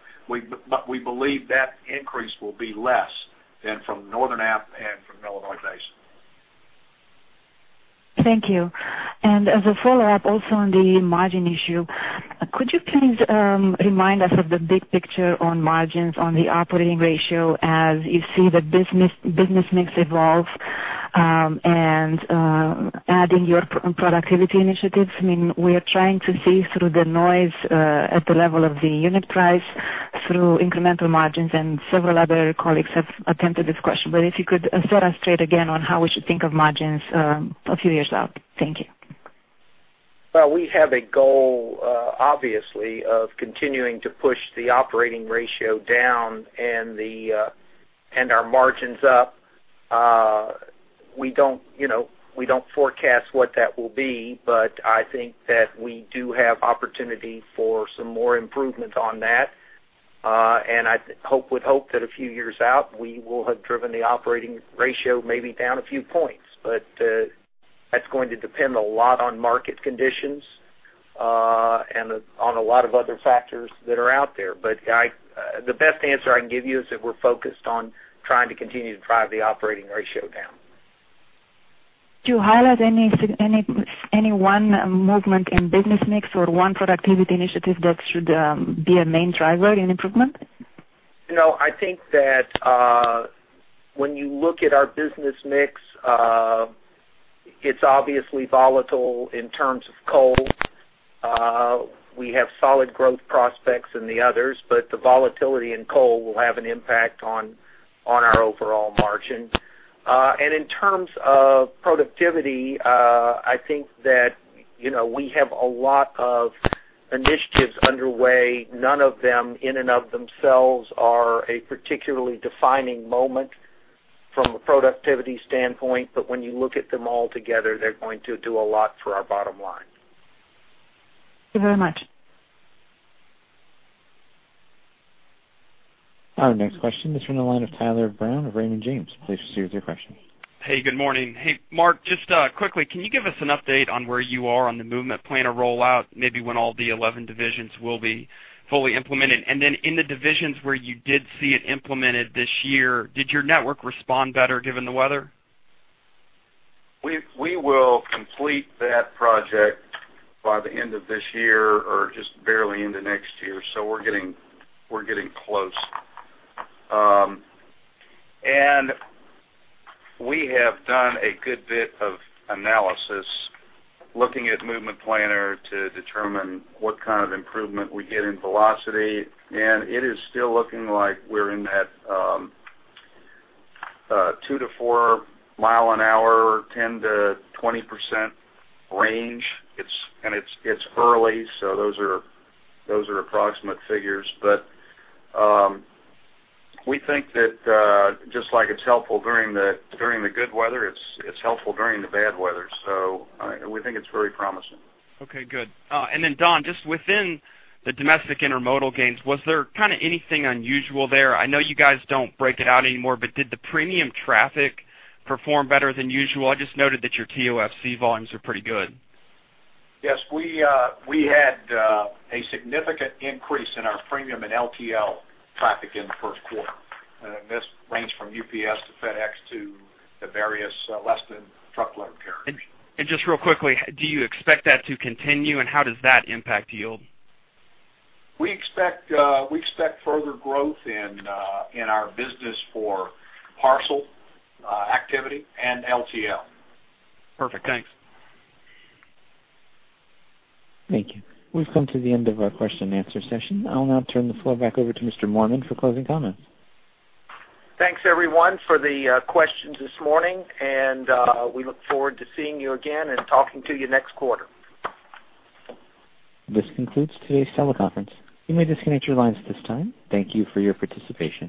But we believe that increase will be less than from Northern App and from Illinois Basin. Thank you. And as a follow-up, also on the margin issue, could you please remind us of the big picture on margins on the operating ratio as you see the business, business mix evolve, and adding your productivity initiatives? I mean, we are trying to see through the noise at the level of the unit price through incremental margins, and several other colleagues have attempted this question. But if you could set us straight again on how we should think of margins, a few years out? Thank you. Well, we have a goal, obviously, of continuing to push the operating ratio down and the, and our margins up. We don't, you know, we don't forecast what that will be, but I think that we do have opportunity for some more improvement on that. And I hope, would hope that a few years out, we will have driven the operating ratio maybe down a few points. But, that's going to depend a lot on market conditions, and on a lot of other factors that are out there. But I... The best answer I can give you is that we're focused on trying to continue to drive the operating ratio down. Do you highlight any one movement in business mix or one productivity initiative that should be a main driver in improvement? No, I think that, when you look at our business mix, it's obviously volatile in terms of coal. We have solid growth prospects in the others, but the volatility in coal will have an impact on, on our overall margins. And in terms of productivity, I think that, you know, we have a lot of initiatives underway. None of them, in and of themselves, are a particularly defining moment from a productivity standpoint, but when you look at them all together, they're going to do a lot for our bottom line. Thank you very much. Our next question is from the line of Tyler Brown of Raymond James. Please proceed with your question. Hey, good morning. Hey, Mark, just quickly, can you give us an update on where you are on the Movement Planner rollout, maybe when all the 11 divisions will be fully implemented? And then in the divisions where you did see it implemented this year, did your network respond better given the weather? We will complete that project by the end of this year or just barely into next year, so we're getting close. And we have done a good bit of analysis looking at Movement Planner to determine what kind of improvement we get in velocity, and it is still looking like we're in that 2-4 mile an hour, 10%-20% range. It's early, so those are approximate figures. But we think that just like it's helpful during the good weather, it's helpful during the bad weather, so we think it's very promising. Okay, good. And then, Don, just within the domestic intermodal gains, was there kind of anything unusual there? I know you guys don't break it out anymore, but did the premium traffic perform better than usual? I just noted that your TOFC volumes are pretty good. Yes. We had a significant increase in our premium and LTL traffic in the first quarter. And this ranges from UPS to FedEx to the various less than truckload carriers. And just real quickly, do you expect that to continue? And how does that impact yield? We expect further growth in our business for parcel activity and LTL. Perfect. Thanks. Thank you. We've come to the end of our question and answer session. I'll now turn the floor back over to Mr. Moorman for closing comments. Thanks, everyone, for the questions this morning, and we look forward to seeing you again and talking to you next quarter. This concludes today's teleconference. You may disconnect your lines at this time. Thank you for your participation.